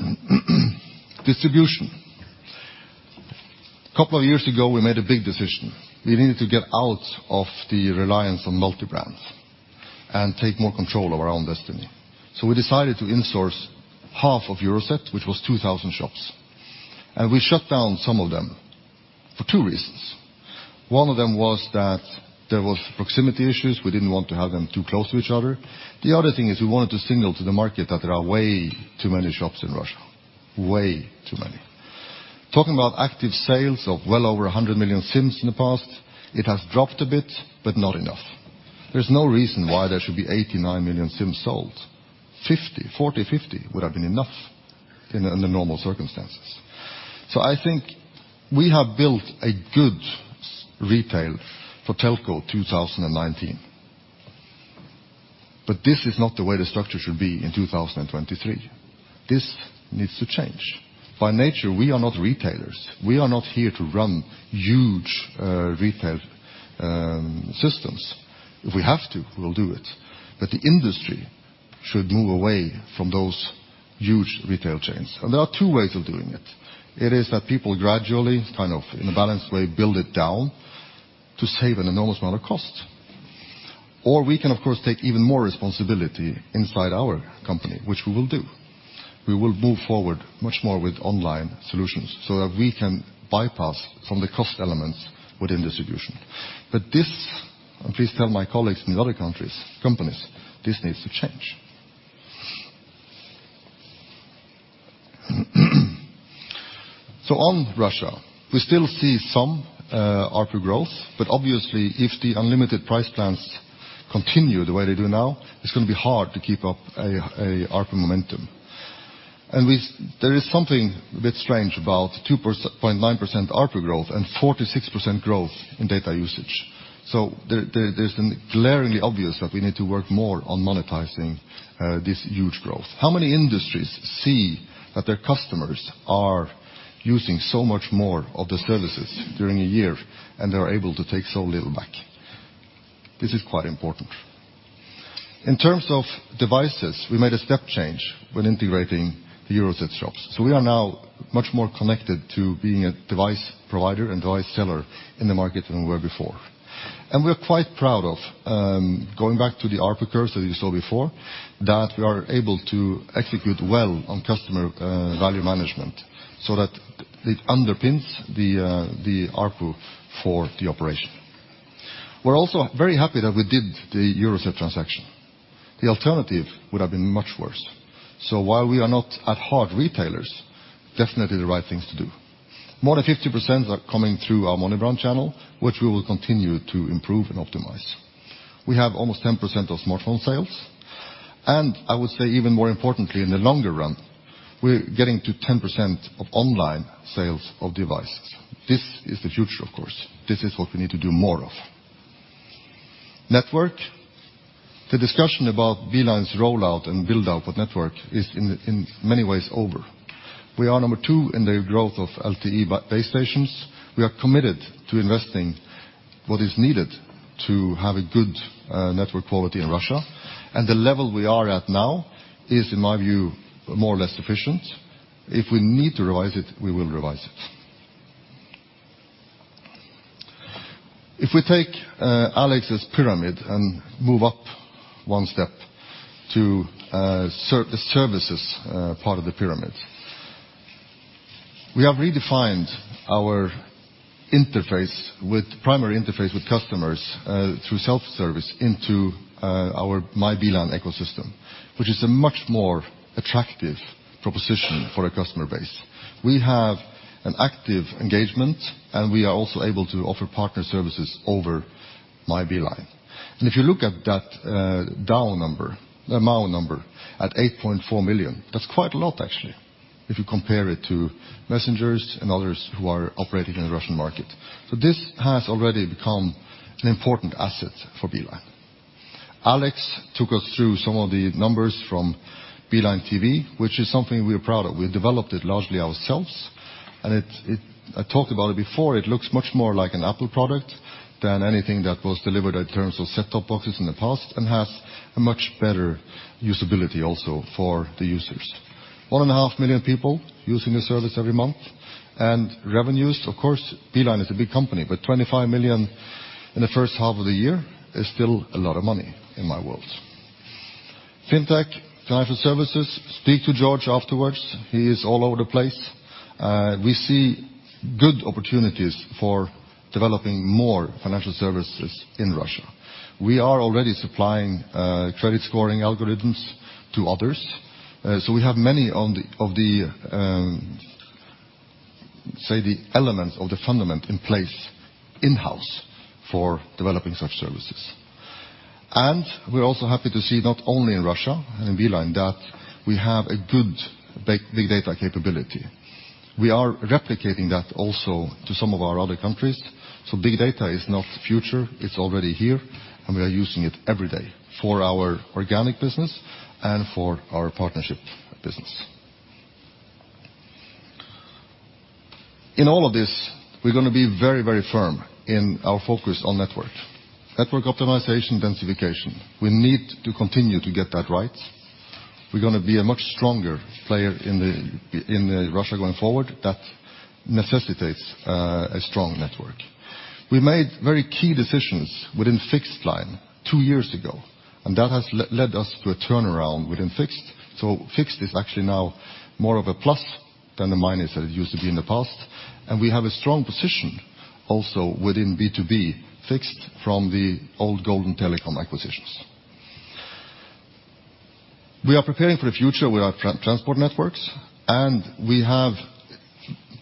on. Distribution. A couple of years ago, we made a big decision. We needed to get out of the reliance on multi-brands and take more control of our own destiny. We decided to insource half of Euroset, which was 2,000 shops. We shut down some of them for two reasons. One of them was that there was proximity issues. We didn't want to have them too close to each other. The other thing is we wanted to signal to the market that there are way too many shops in Russia, way too many. Talking about active sales of well over 100 million SIMs in the past, it has dropped a bit, but not enough. There's no reason why there should be 89 million SIMs sold. 40, 50 would have been enough in the normal circumstances. I think we have built a good retail for telco 2019. This is not the way the structure should be in 2023. This needs to change. By nature, we are not retailers. We are not here to run huge retail systems. If we have to, we'll do it. The industry should move away from those huge retail chains. There are two ways of doing it. It is that people gradually, kind of in a balanced way, build it down to save an enormous amount of cost. We can, of course, take even more responsibility inside our company, which we will do. We will move forward much more with online solutions so that we can bypass from the cost elements within distribution. This, and please tell my colleagues in other companies, this needs to change. On Russia, we still see some ARPU growth, but obviously if the unlimited price plans continue the way they do now, it's going to be hard to keep up a ARPU momentum. There is something a bit strange about 2.9% ARPU growth and 46% growth in data usage. There's glaringly obvious that we need to work more on monetizing this huge growth. How many industries see that their customers are using so much more of the services during a year, and they're able to take so little back? This is quite important. In terms of devices, we made a step change when integrating the Euroset shops. We are now much more connected to being a device provider and device seller in the market than we were before. We're quite proud of going back to the ARPU curves that you saw before, that we are able to execute well on customer value management so that it underpins the ARPU for the operation. We're also very happy that we did the Euroset transaction. The alternative would have been much worse. While we are not at hard retailers, definitely the right things to do. More than 50% are coming through our multi-brand channel, which we will continue to improve and optimize. We have almost 10% of smartphone sales. I would say even more importantly in the longer run, we're getting to 10% of online sales of devices. This is the future, of course. This is what we need to do more of. Network. The discussion about Beeline's rollout and build-out of network is in many ways over. We are number 2 in the growth of LTE base stations. We are committed to investing what is needed to have a good network quality in Russia. The level we are at now is, in my view, more or less sufficient. If we need to revise it, we will revise it. If we take Alex's pyramid and move up one step to the services part of the pyramid, we have redefined our primary interface with customers through self-service into our My Beeline ecosystem, which is a much more attractive proposition for a customer base. We have an active engagement. We are also able to offer partner services over My Beeline. If you look at that MAU number at 8.4 million, that's quite a lot, actually, if you compare it to messengers and others who are operating in the Russian market. This has already become an important asset for Beeline. Alex took us through some of the numbers from Beeline TV, which is something we are proud of. We developed it largely ourselves. I talked about it before. It looks much more like an Apple product than anything that was delivered in terms of set-top boxes in the past and has a much better usability also for the users. 1.5 million people using the service every month. Revenues, of course, Beeline is a big company, but $25 million in the first half of the year is still a lot of money in my world. Fintech financial services. Speak to George afterwards. He is all over the place. We see good opportunities for developing more financial services in Russia. We are already supplying credit scoring algorithms to others. We have many of the elements of the fundament in place in-house for developing such services. We're also happy to see, not only in Russia and in Beeline, that we have a good big data capability. We are replicating that also to some of our other countries. Big data is not the future. It's already here, and we are using it every day for our organic business and for our partnership business. In all of this, we're going to be very firm in our focus on network optimization densification. We need to continue to get that right. We're going to be a much stronger player in Russia going forward. That necessitates a strong network. We made very key decisions within fixed line two years ago, and that has led us to a turnaround within fixed. Fixed is actually now more of a plus than the minus that it used to be in the past, and we have a strong position also within B2B fixed from the old Golden Telecom acquisitions. We are preparing for the future with our transport networks, and we have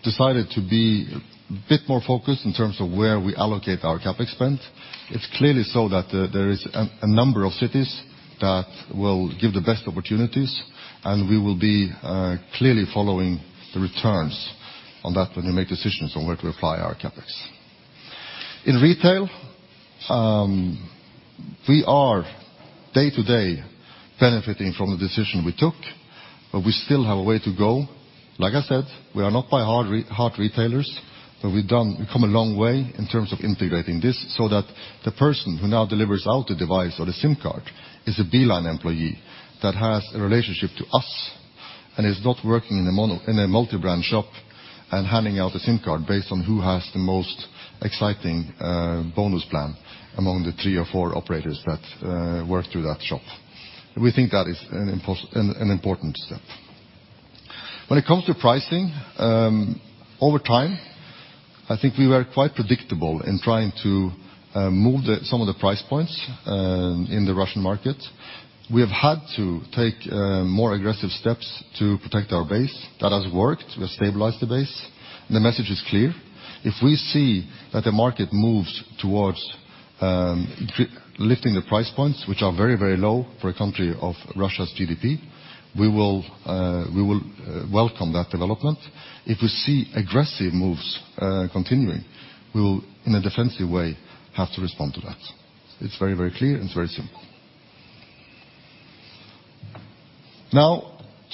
decided to be a bit more focused in terms of where we allocate our cap expense. It's clearly so that there is a number of cities that will give the best opportunities, and we will be clearly following the returns on that when we make decisions on where to apply our CapEx. In retail, we are day-to-day benefiting from the decision we took, but we still have a way to go. Like I said, we are not by heart retailers, but we've come a long way in terms of integrating this so that the person who now delivers out the device or the SIM card is a Beeline employee that has a relationship to us and is not working in a multi-brand shop and handing out a SIM card based on who has the most exciting bonus plan among the three or four operators that work through that shop. We think that is an important step. When it comes to pricing, over time, I think we were quite predictable in trying to move some of the price points in the Russian market. We have had to take more aggressive steps to protect our base. That has worked. We have stabilized the base. The message is clear. If we see that the market moves towards lifting the price points, which are very low for a country of Russia's GDP, we will welcome that development. If we see aggressive moves continuing, we will, in a defensive way, have to respond to that. It's very clear, and it's very simple.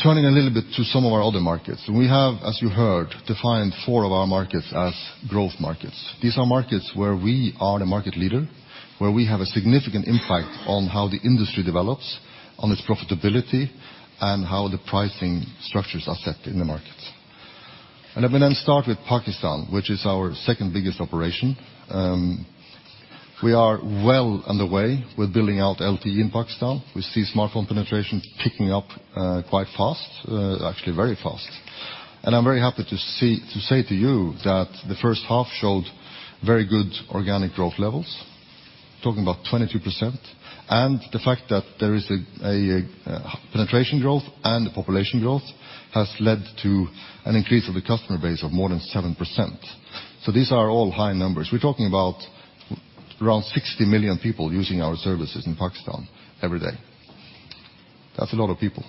Turning a little bit to some of our other markets. We have, as you heard, defined four of our markets as growth markets. These are markets where we are the market leader, where we have a significant impact on how the industry develops, on its profitability, and how the pricing structures are set in the markets. I'm going to start with Pakistan, which is our second-biggest operation. We are well underway with building out LTE in Pakistan. We see smartphone penetration picking up quite fast, actually very fast. I'm very happy to say to you that the first half showed very good organic growth levels, talking about 22%. The fact that there is a penetration growth and the population growth has led to an increase of the customer base of more than 7%. These are all high numbers. We're talking about 60 million people using our services in Pakistan every day. That's a lot of people.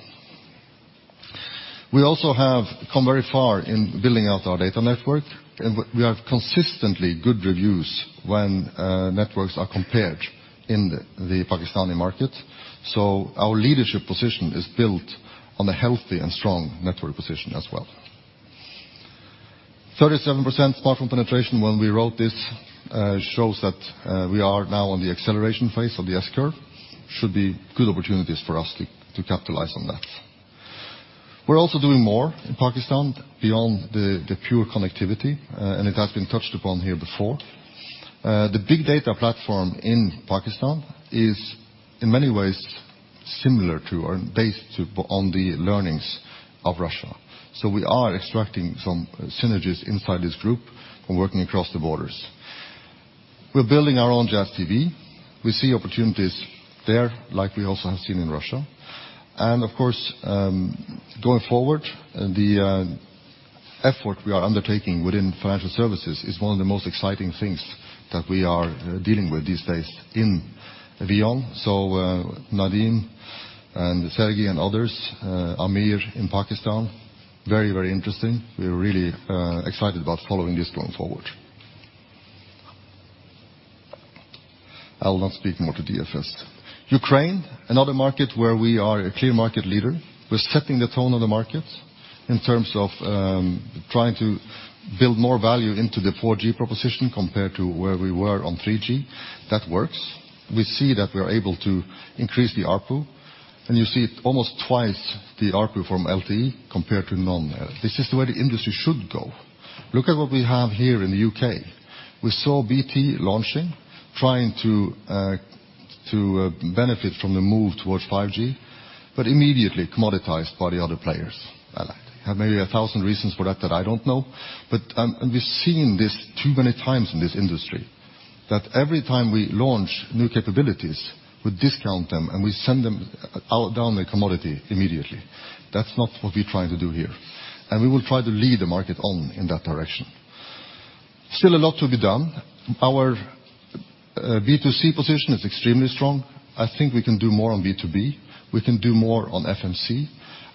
We also have come very far in building out our data network, and we have consistently good reviews when networks are compared in the Pakistani market. Our leadership position is built on a healthy and strong network position as well. 37% smartphone penetration when we wrote this shows that we are now on the acceleration phase of the S-curve, should be good opportunities for us to capitalize on that. We're also doing more in Pakistan beyond the pure connectivity, and it has been touched upon here before. The big data platform in Pakistan is in many ways similar to or based on the learnings of Russia. We are extracting some synergies inside this group from working across the borders. We're building our own Jazz TV. We see opportunities there like we also have seen in Russia. Of course, going forward, the effort we are undertaking within financial services is one of the most exciting things that we are dealing with these days in VEON. Nadeem and Sergi and others, Amir in Pakistan, very interesting. We are really excited about following this going forward. I will not speak more to DFS. Ukraine, another market where we are a clear market leader. We're setting the tone of the market in terms of trying to build more value into the 4G proposition compared to where we were on 3G. That works. We see that we are able to increase the ARPU, and you see it almost twice the ARPU from LTE compared to non-LTE. This is the way the industry should go. Look at what we have here in the U.K. We saw BT launching, trying to benefit from the move towards 5G, but immediately commoditized by the other players. They have maybe 1,000 reasons for that that I don't know, and we've seen this too many times in this industry. That every time we launch new capabilities, we discount them and we send them down the commodity immediately. That's not what we're trying to do here, and we will try to lead the market on in that direction. Still a lot to be done. Our B2C position is extremely strong. I think we can do more on B2B. We can do more on FMC,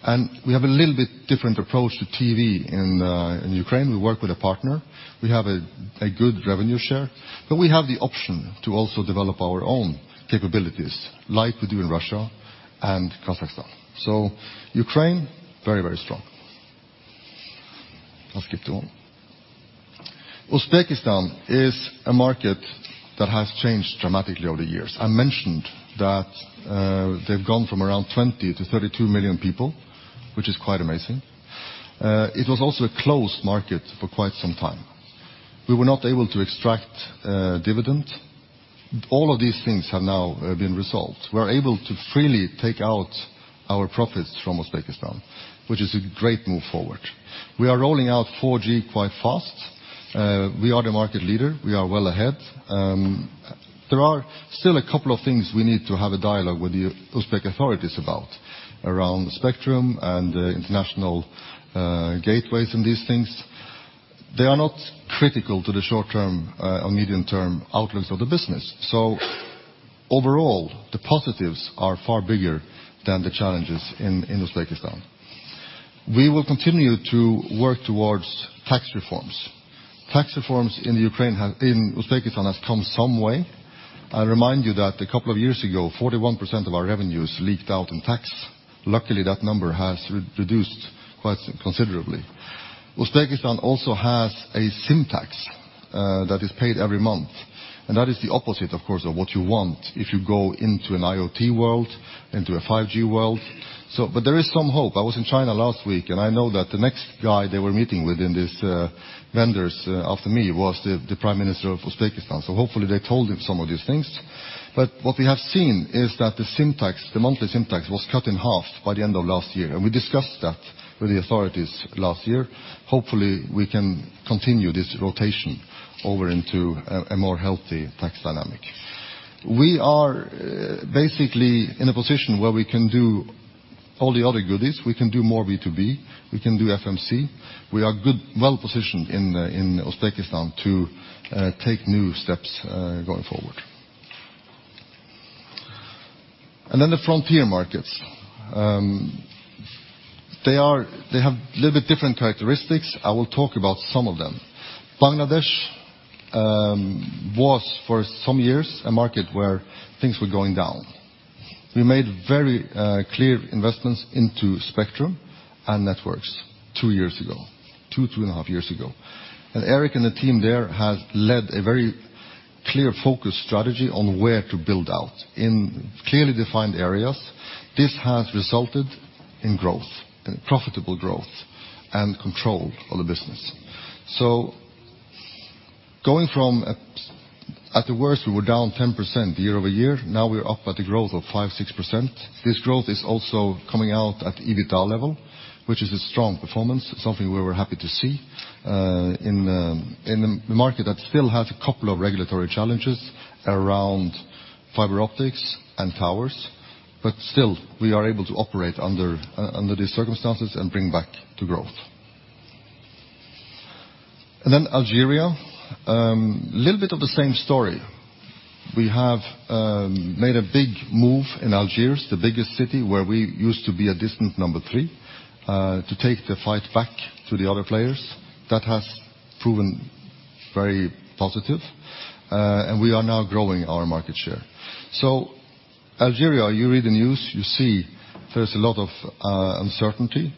and we have a little bit different approach to TV in Ukraine. We work with a partner. We have a good revenue share, but we have the option to also develop our own capabilities like we do in Russia and Kazakhstan. Ukraine, very strong. Uzbekistan is a market that has changed dramatically over the years. I mentioned that they've gone from around 20 to 32 million people, which is quite amazing. It was also a closed market for quite some time. We were not able to extract dividend. All of these things have now been resolved. We're able to freely take out our profits from Uzbekistan, which is a great move forward. We are rolling out 4G quite fast. We are the market leader. We are well ahead. There are still a couple of things we need to have a dialogue with the Uzbek authorities about around spectrum and international gateways and these things. They are not critical to the short-term or medium-term outlooks of the business. Overall, the positives are far bigger than the challenges in Uzbekistan. We will continue to work towards tax reforms. Tax reforms in Uzbekistan has come some way. I remind you that a couple of years ago, 41% of our revenues leaked out in tax. Luckily, that number has reduced quite considerably. Uzbekistan also has a sin tax that is paid every month, and that is the opposite, of course, of what you want if you go into an IoT world, into a 5G world. There is some hope. I was in China last week, and I know that the next guy they were meeting with in this vendors after me was the prime minister of Uzbekistan. Hopefully they told him some of these things. What we have seen is that the monthly tax was cut in half by the end of last year, and we discussed that with the authorities last year. Hopefully, we can continue this rotation over into a more healthy tax dynamic. We are basically in a position where we can do all the other goodies. We can do more B2B. We can do FMC. We are well-positioned in Uzbekistan to take new steps going forward. The frontier markets. They have a little bit different characteristics. I will talk about some of them. Bangladesh was for some years a market where things were going down. We made very clear investments into spectrum and networks two years ago, two and a half years ago. Eric and the team there have led a very clear focus strategy on where to build out in clearly defined areas. This has resulted in growth, profitable growth and control of the business. Going from at the worst, we were down 10% year-over-year. Now we're up at a growth of 5%, 6%. This growth is also coming out at the EBITDA level, which is a strong performance, something we were happy to see in a market that still has a couple of regulatory challenges around fiber optics and towers. Still, we are able to operate under these circumstances and bring back to growth. Algeria, a little bit of the same story. We have made a big move in Algiers, the biggest city, where we used to be a distant number 3, to take the fight back to the other players. That has proven very positive, and we are now growing our market share. Algeria, you read the news, you see there's a lot of uncertainty.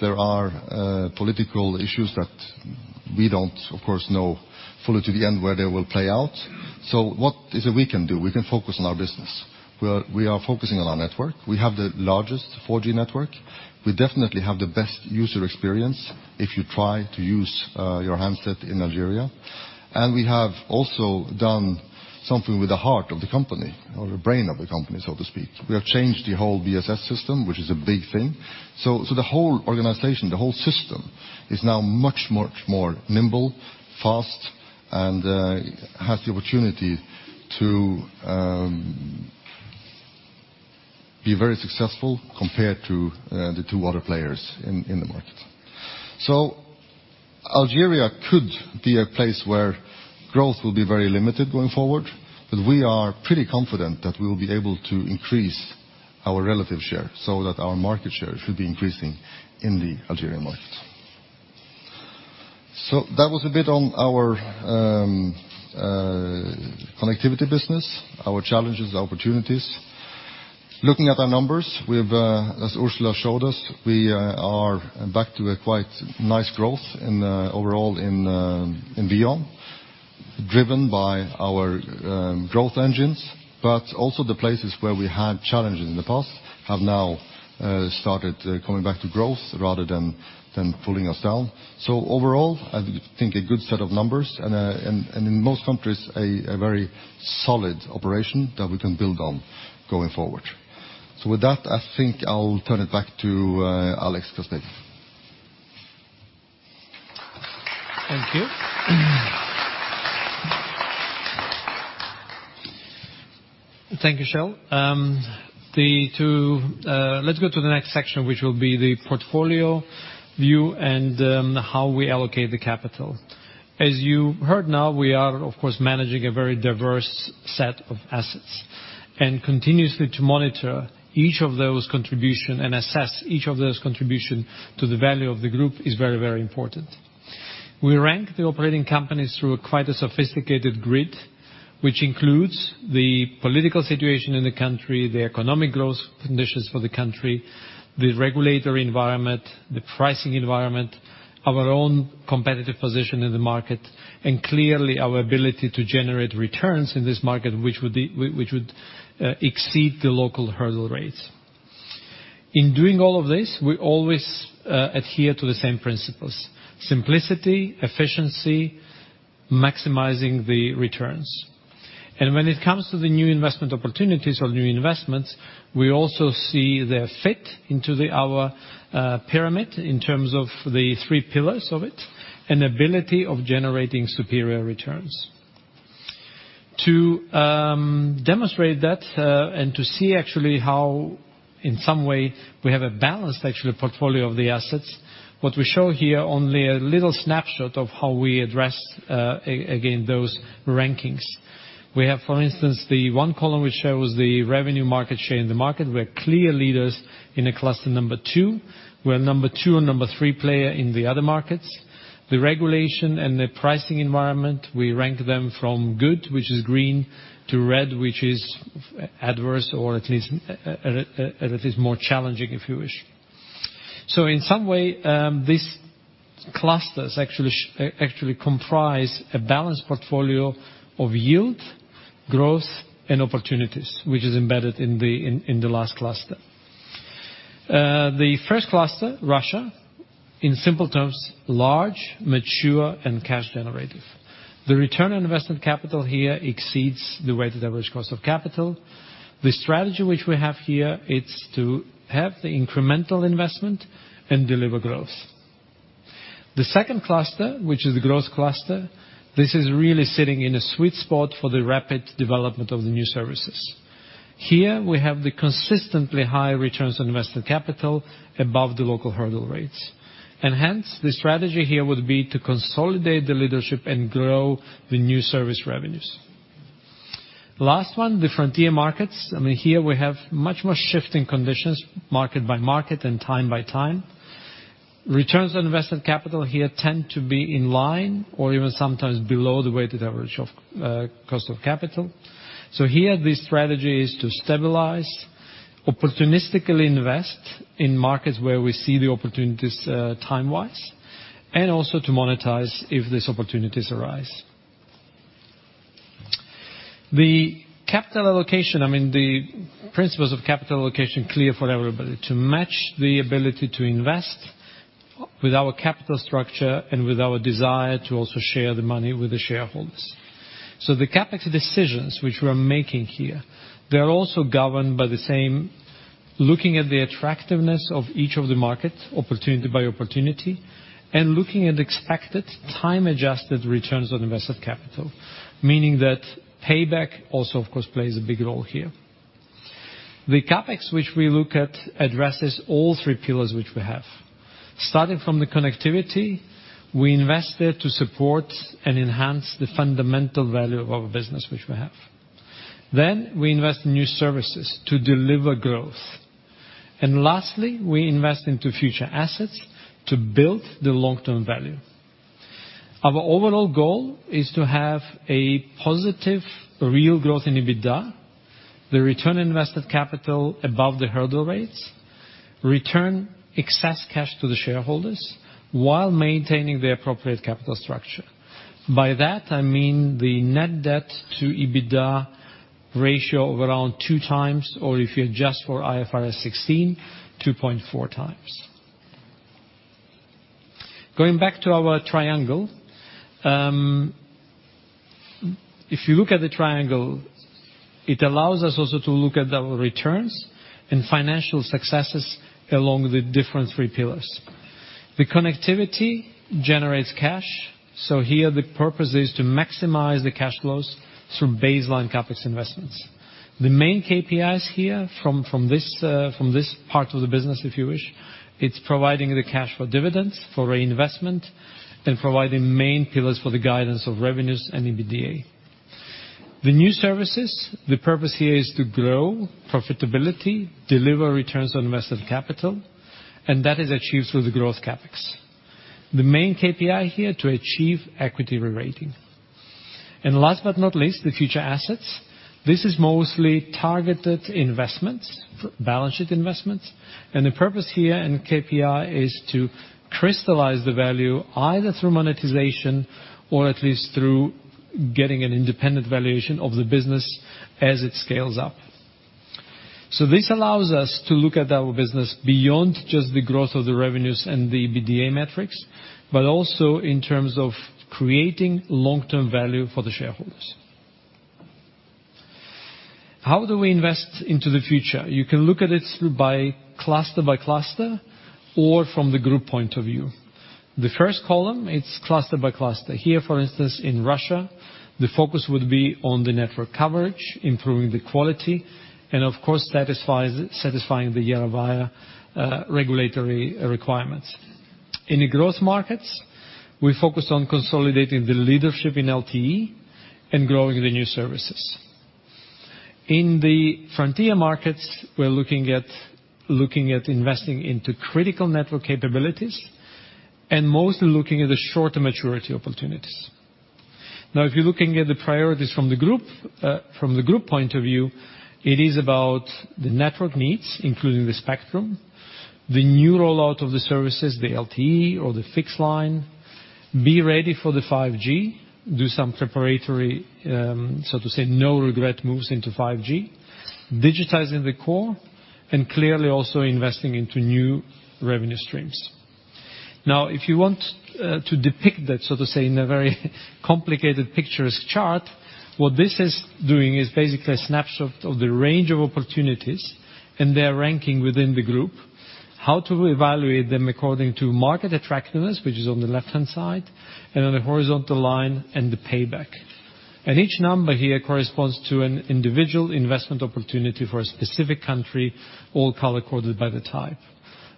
There are political issues that we don't, of course, know fully to the end where they will play out. What is it we can do? We can focus on our business. We are focusing on our network. We have the largest 4G network. We definitely have the best user experience if you try to use your handset in Algeria. We have also done something with the heart of the company or the brain of the company, so to speak. We have changed the whole BSS system, which is a big thing. The whole organization, the whole system, is now much more nimble, fast, and has the opportunity to be very successful compared to the two other players in the market. Algeria could be a place where growth will be very limited going forward, but we are pretty confident that we will be able to increase our relative share so that our market share should be increasing in the Algerian market. That was a bit on our connectivity business, our challenges, opportunities. Looking at our numbers, as Ursula showed us, we are back to a quite nice growth overall in VEON, driven by our growth engines. Also the places where we had challenges in the past have now started coming back to growth rather than pulling us down. Overall, I think a good set of numbers and, in most countries, a very solid operation that we can build on going forward. With that, I think I'll turn it back to Alex to speak. Thank you. Thank you, Kjell. Let's go to the next section, which will be the portfolio view and how we allocate the capital. As you heard now, we are, of course, managing a very diverse set of assets. Continuously to monitor each of those contribution and assess each of those contribution to the value of the group is very important. We rank the operating companies through quite a sophisticated grid, which includes the political situation in the country, the economic growth conditions for the country, the regulatory environment, the pricing environment, our own competitive position in the market, and clearly, our ability to generate returns in this market, which would exceed the local hurdle rates. In doing all of this, we always adhere to the same principles: simplicity, efficiency, maximizing the returns. When it comes to the new investment opportunities or new investments, we also see their fit into our pyramid in terms of the three pillars of it, and ability of generating superior returns. To demonstrate that and to see actually how, in some way, we have a balanced actual portfolio of the assets, what we show here, only a little snapshot of how we address, again, those rankings. We have, for instance, the one column which shows the revenue market share in the market. We are clear leaders in the cluster number 2. We are number 2 and number 3 player in the other markets. The regulation and the pricing environment, we rank them from good, which is green, to red, which is adverse or at least more challenging, if you wish. In some way, these clusters actually comprise a balanced portfolio of yield, growth, and opportunities, which is embedded in the last cluster. The first cluster, Russia, in simple terms: large, mature, and cash generative. The return on investment capital here exceeds the weighted average cost of capital. The strategy which we have here, it's to have the incremental investment and deliver growth. The second cluster, which is the growth cluster, this is really sitting in a sweet spot for the rapid development of the new services. Here we have the consistently high returns on invested capital above the local hurdle rates. Hence, the strategy here would be to consolidate the leadership and grow the new service revenues. Last one, the frontier markets. Here we have much more shifting conditions, market by market and time by time. Returns on invested capital here tend to be in line or even sometimes below the weighted average of cost of capital. Here the strategy is to stabilize, opportunistically invest in markets where we see the opportunities time-wise, and also to monetize if these opportunities arise. The capital allocation, the principles of capital allocation clear for everybody: to match the ability to invest with our capital structure and with our desire to also share the money with the shareholders. The CapEx decisions which we are making here, they are also governed by the same, looking at the attractiveness of each of the markets, opportunity by opportunity, and looking at expected time-adjusted returns on invested capital. Meaning that payback also, of course, plays a big role here. The CapEx which we look at addresses all three pillars which we have. Starting from the connectivity, we invest there to support and enhance the fundamental value of our business which we have. We invest in new services to deliver growth. Lastly, we invest into future assets to build the long-term value. Our overall goal is to have a positive real growth in EBITDA, the return on invested capital above the hurdle rates, return excess cash to the shareholders while maintaining the appropriate capital structure. By that I mean the net debt to EBITDA ratio of around two times, or if you adjust for IFRS 16, 2.4 times. Going back to our triangle. If you look at the triangle, it allows us also to look at our returns and financial successes along the different three pillars. The connectivity generates cash. Here the purpose is to maximize the cash flows through baseline CapEx investments. The main KPIs here from this part of the business, if you wish, it's providing the cash for dividends, for reinvestment, and providing main pillars for the guidance of revenues and EBITDA. The new services, the purpose here is to grow profitability, deliver returns on invested capital, and that is achieved through the growth CapEx. The main KPI here to achieve equity rerating. Last but not least, the future assets. This is mostly targeted investments, balance sheet investments. The purpose here in KPI is to crystallize the value either through monetization or at least through getting an independent valuation of the business as it scales up. This allows us to look at our business beyond just the growth of the revenues and the EBITDA metrics, but also in terms of creating long-term value for the shareholders. How do we invest into the future? You can look at it cluster by cluster or from the group point of view. The first column, it's cluster by cluster. Here, for instance, in Russia, the focus would be on the network coverage, improving the quality, and of course, satisfying the Yarovaya regulatory requirements. In the growth markets, we focus on consolidating the leadership in LTE and growing the new services. In the frontier markets, we're looking at investing into critical network capabilities and mostly looking at the shorter maturity opportunities. Now, if you're looking at the priorities from the group point of view, it is about the network needs, including the spectrum, the new rollout of the services, the LTE or the fixed line, be ready for the 5G, do some preparatory, so to say, no regret moves into 5G, digitizing the core, and clearly also investing into new revenue streams. If you want to depict that, so to say, in a very complicated pictures chart, what this is doing is basically a snapshot of the range of opportunities and their ranking within the group, how to evaluate them according to market attractiveness, which is on the left-hand side, and on the horizontal line and the payback. Each number here corresponds to an individual investment opportunity for a specific country, all color-coded by the type.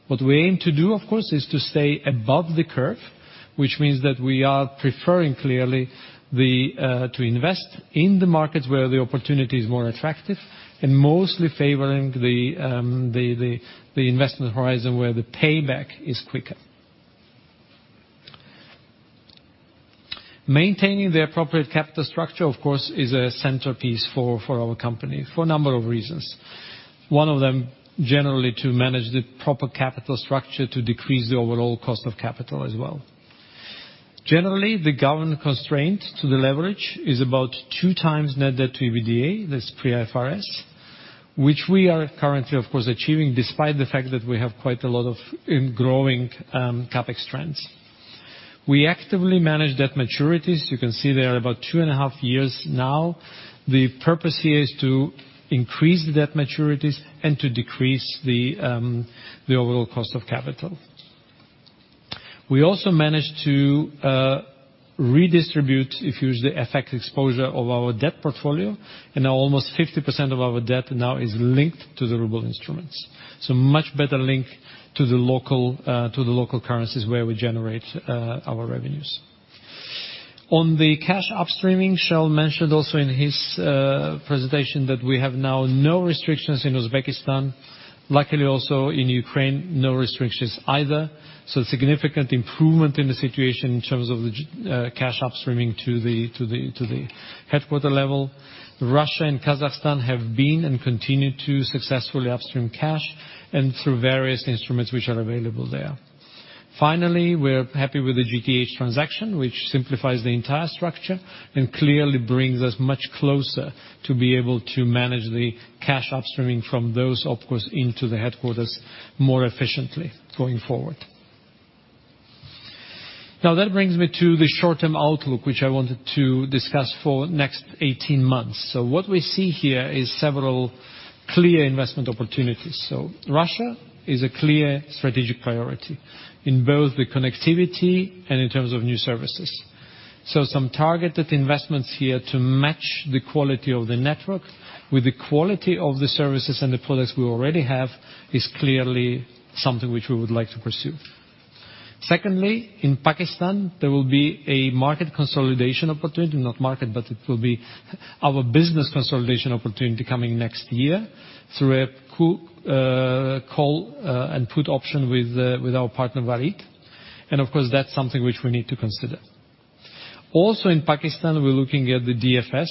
What we aim to do, of course, is to stay above the curve, which means that we are preferring clearly to invest in the markets where the opportunity is more attractive and mostly favoring the investment horizon where the payback is quicker. Maintaining the appropriate capital structure, of course, is a centerpiece for our company for a number of reasons. One of them, generally to manage the proper capital structure to decrease the overall cost of capital as well. Generally, the governance constraint to the leverage is about 2 times net debt to EBITDA, that's pre-IFRS, which we are currently, of course, achieving despite the fact that we have quite a lot of growing CapEx trends. We actively manage debt maturities. You can see they are about two and a half years now. The purpose here is to increase the debt maturities and to decrease the overall cost of capital. We also managed to redistribute, if you use the FX exposure of our debt portfolio, and now almost 50% of our debt now is linked to the RUB instruments. Much better link to the local currencies where we generate our revenues. On the cash upstreaming, Kjell mentioned also in his presentation that we have now no restrictions in Uzbekistan. Luckily also in Ukraine, no restrictions either. Significant improvement in the situation in terms of the cash upstreaming to the headquarters level. Russia and Kazakhstan have been and continue to successfully upstream cash and through various instruments which are available there. Finally, we're happy with the GTH transaction, which simplifies the entire structure and clearly brings us much closer to be able to manage the cash upstreaming from those opcos into the headquarters more efficiently going forward. That brings me to the short-term outlook, which I wanted to discuss for next 18 months. What we see here is several clear investment opportunities. Russia is a clear strategic priority in both the connectivity and in terms of new services. Some targeted investments here to match the quality of the network with the quality of the services and the products we already have is clearly something which we would like to pursue. Secondly, in Pakistan, there will be a market consolidation opportunity, not market, but it will be our business consolidation opportunity coming next year through a call and put option with our partner, Warid. Of course, that's something which we need to consider. Also, in Pakistan, we're looking at the DFS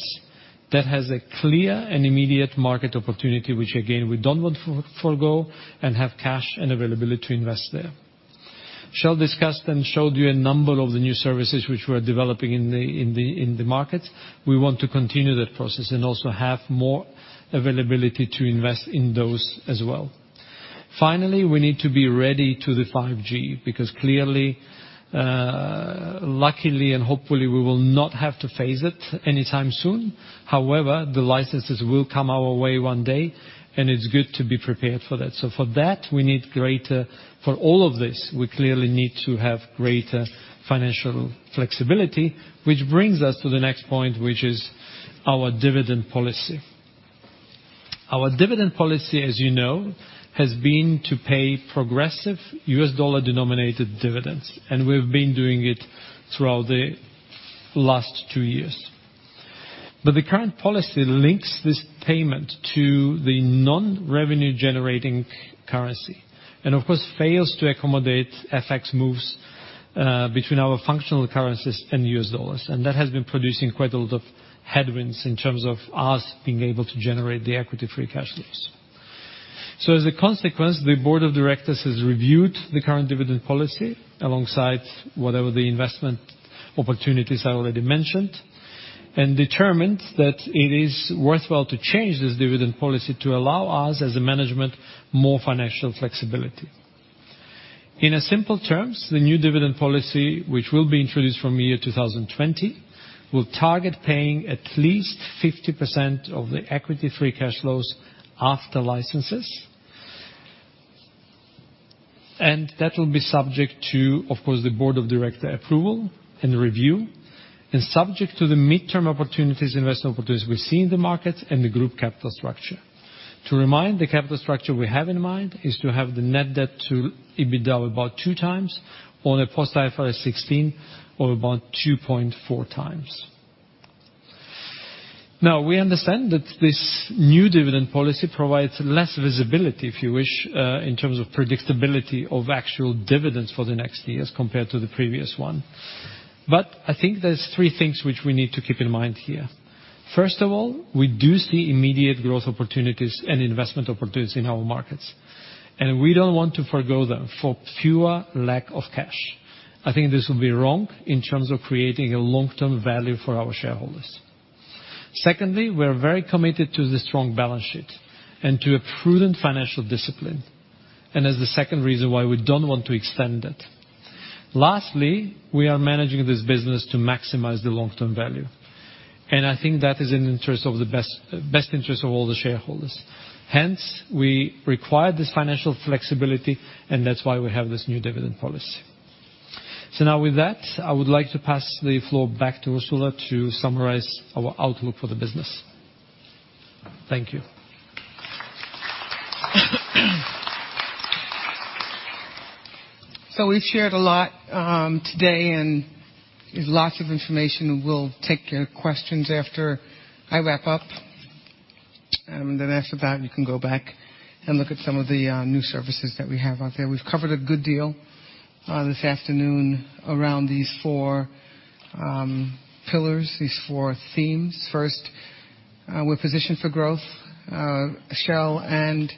that has a clear and immediate market opportunity, which again, we don't want to forgo and have cash and availability to invest there. Kjell discussed and showed you a number of the new services which we are developing in the market. We want to continue that process and also have more availability to invest in those as well. Finally, we need to be ready to the 5G because clearly, luckily and hopefully we will not have to face it anytime soon. The licenses will come our way one day, and it's good to be prepared for that. For all of this, we clearly need to have greater financial flexibility, which brings us to the next point, which is our dividend policy. Our dividend policy, as you know, has been to pay progressive US dollar-denominated dividends, and we've been doing it throughout the last two years. The current policy links this payment to the non-revenue-generating currency, and of course, fails to accommodate FX moves between our functional currencies and US dollars. That has been producing quite a lot of headwinds in terms of us being able to generate the equity free cash flows. As a consequence, the board of directors has reviewed the current dividend policy alongside whatever the investment opportunities I already mentioned, and determined that it is worthwhile to change this dividend policy to allow us, as a management, more financial flexibility. In simple terms, the new dividend policy, which will be introduced from year 2020, will target paying at least 50% of the equity free cash flows after licenses. That will be subject to, of course, the board of director approval and review, and subject to the midterm opportunities, investment opportunities we see in the markets and the group capital structure. To remind, the capital structure we have in mind is to have the net debt to EBITDA about 2x on a post-IFRS 16 of about 2.4x. Now, we understand that this new dividend policy provides less visibility, if you wish, in terms of predictability of actual dividends for the next years compared to the previous one. I think there's three things which we need to keep in mind here. First of all, we do see immediate growth opportunities and investment opportunities in our markets, and we don't want to forgo them for pure lack of cash. I think this will be wrong in terms of creating a long-term value for our shareholders. Secondly, we're very committed to the strong balance sheet and to a prudent financial discipline, and as the second reason why we don't want to extend it. Lastly, we are managing this business to maximize the long-term value, and I think that is in the best interest of all the shareholders. Hence, we require this financial flexibility and that's why we have this new dividend policy. Now with that, I would like to pass the floor back to Ursula to summarize our outlook for the business. Thank you. We've shared a lot today, and there's lots of information. We'll take your questions after I wrap up. Then after that, you can go back and look at some of the new services that we have out there. We've covered a good deal this afternoon around these four pillars, these four themes. First, we're positioned for growth. Kjell and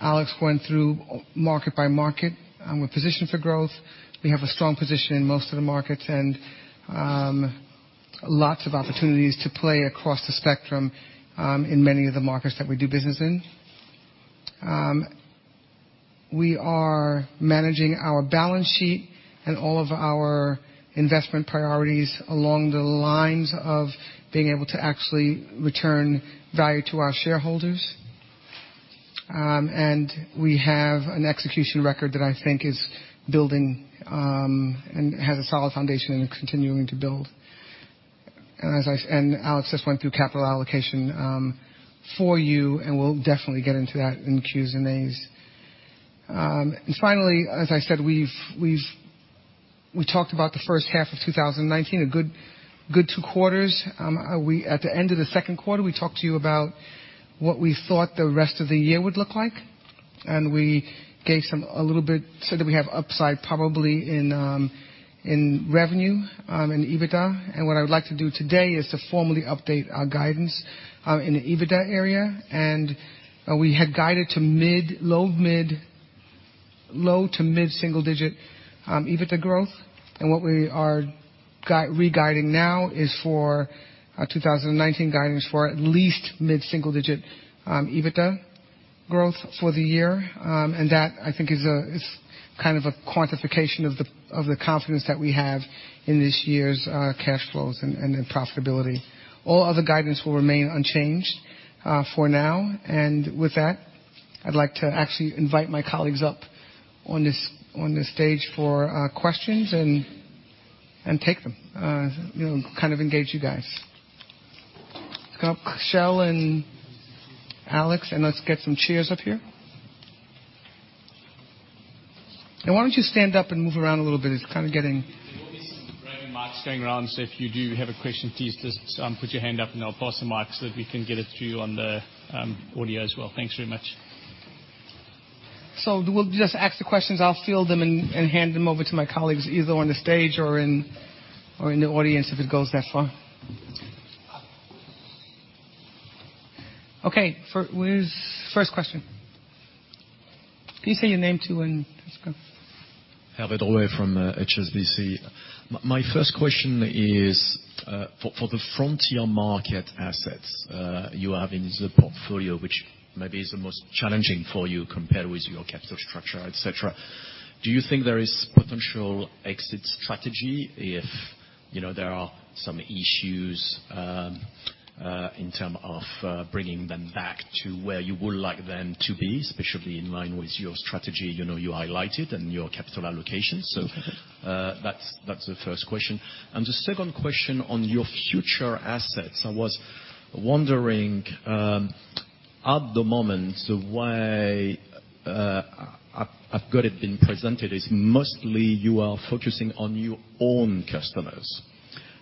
Alex went through market by market, and we're positioned for growth. We have a strong position in most of the markets, and lots of opportunities to play across the spectrum in many of the markets that we do business in. We are managing our balance sheet and all of our investment priorities along the lines of being able to actually return value to our shareholders. We have an execution record that I think is building, and has a solid foundation, and it's continuing to build. Alex just went through capital allocation for you, and we'll definitely get into that in the Qs and As. Finally, as I said, we talked about the first half of 2019, a good two quarters. At the end of the second quarter, we talked to you about what we thought the rest of the year would look like, and we gave a little bit so that we have upside probably in revenue and EBITDA. What I would like to do today is to formally update our guidance in the EBITDA area. We had guided to low to mid-single digit EBITDA growth. What we are re-guiding now is for our 2019 guidance for at least mid-single digit EBITDA growth for the year. That, I think, is a quantification of the confidence that we have in this year's cash flows and profitability. All other guidance will remain unchanged for now. With that, I'd like to actually invite my colleagues up on the stage for questions and take them, engage you guys, Kjell and Alex. Let's get some chairs up here. Why don't you stand up and move around a little bit? There will be some roaming mics going around, so if you do have a question, please just put your hand up and I will pass the mic so that we can get it to you on the audio as well. Thanks very much. We'll just ask the questions. I'll field them and hand them over to my colleagues, either on the stage or in the audience if it goes that far. Where's first question? Please say your name too, and let's go. Herve Drouet from HSBC. My first question is, for the frontier market assets you have in the portfolio, which maybe is the most challenging for you compared with your capital structure, et cetera, do you think there is potential exit strategy if there are some issues in term of bringing them back to where you would like them to be? Especially in line with your strategy, you highlighted, and your capital allocation. That's the first question. The second question on your future assets, I was wondering, at the moment, the way I've got it been presented is mostly you are focusing on your own customers.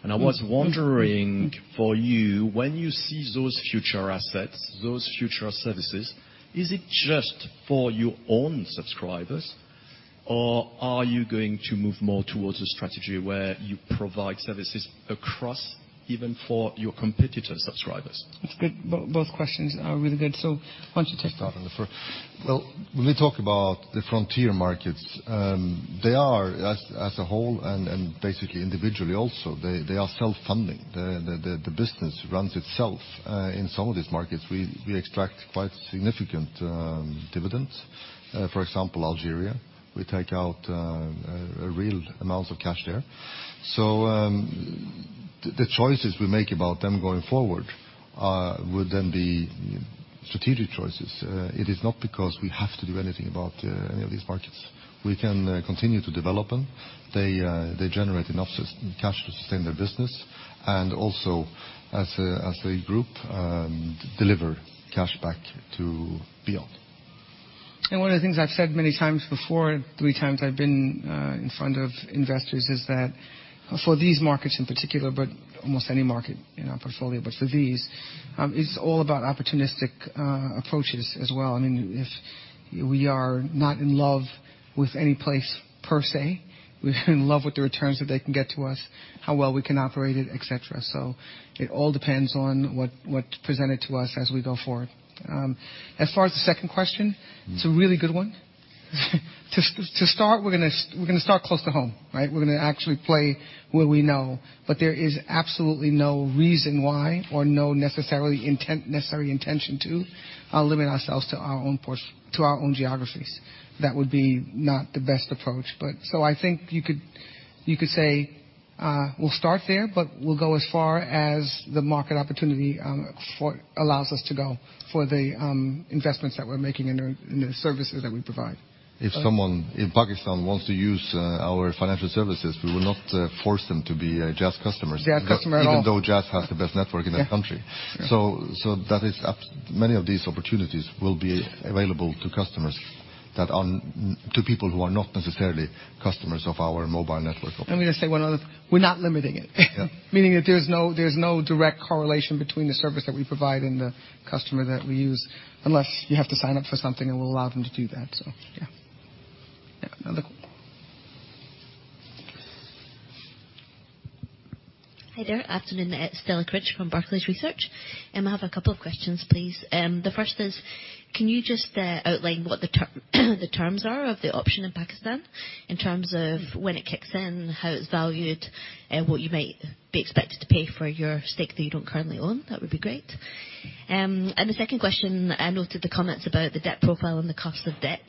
I was wondering for you, when you see those future assets, those future services, is it just for your own subscribers? Or are you going to move more towards a strategy where you provide services across, even for your competitor subscribers? That's good. Both questions are really good. Why don't you take that? I'll start on the first. When we talk about the frontier markets, they are as a whole and basically individually also, they are self-funding. The business runs itself. In some of these markets, we extract quite significant dividends. For example, Algeria, we take out a real amount of cash there. The choices we make about them going forward would then be strategic choices. It is not because we have to do anything about any of these markets. We can continue to develop them. They generate enough cash to sustain their business, and also as a group, deliver cash back to VEON. One of the things I've said many times before, three times I've been in front of investors, is that for these markets in particular, but almost any market in our portfolio, but for these, it's all about opportunistic approaches as well. If we are not in love with any place per se, we're in love with the returns that they can get to us, how well we can operate it, et cetera. It all depends on what's presented to us as we go forward. As far as the second question, it's a really good one. To start, we're going to start close to home, right? We're going to actually play where we know, but there is absolutely no reason why or no necessary intention to limit ourselves to our own geographies. That would be not the best approach. I think you could say we'll start there, but we'll go as far as the market opportunity allows us to go for the investments that we're making and the services that we provide. If someone in Pakistan wants to use our financial services, we will not force them to be a Jazz customer. Jazz customer at all. Even though Jazz has the best network in that country. Yeah. Many of these opportunities will be available to people who are not necessarily customers of our mobile network. Let me just say one other thing. We're not limiting it. Yeah. Meaning that there's no direct correlation between the service that we provide and the customer that we use, unless you have to sign up for something and we'll allow them to do that. Yeah. Hi there. Afternoon. It's Stella Cridge from Barclays Research, and I have a couple of questions, please. The first is, can you just outline what the terms are of the option in Pakistan in terms of when it kicks in, how it's valued, and what you might be expected to pay for your stake that you don't currently own? That would be great. The second question, I noted the comments about the debt profile and the cost of debt.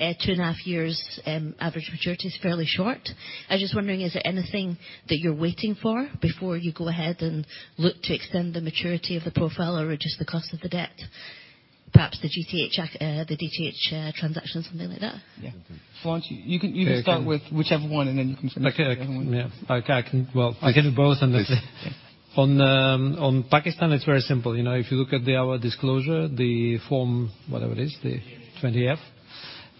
2.5 years average maturity is fairly short. I was just wondering, is there anything that you're waiting for before you go ahead and look to extend the maturity of the profile or reduce the cost of the debt? Perhaps the GTH transaction, something like that? Yeah. You can start with whichever one, and then you can finish the other one. Okay. Yeah. I can, well, I can do both. Please. On Pakistan, it's very simple. If you look at our disclosure, the form, whatever it is, the 20-F,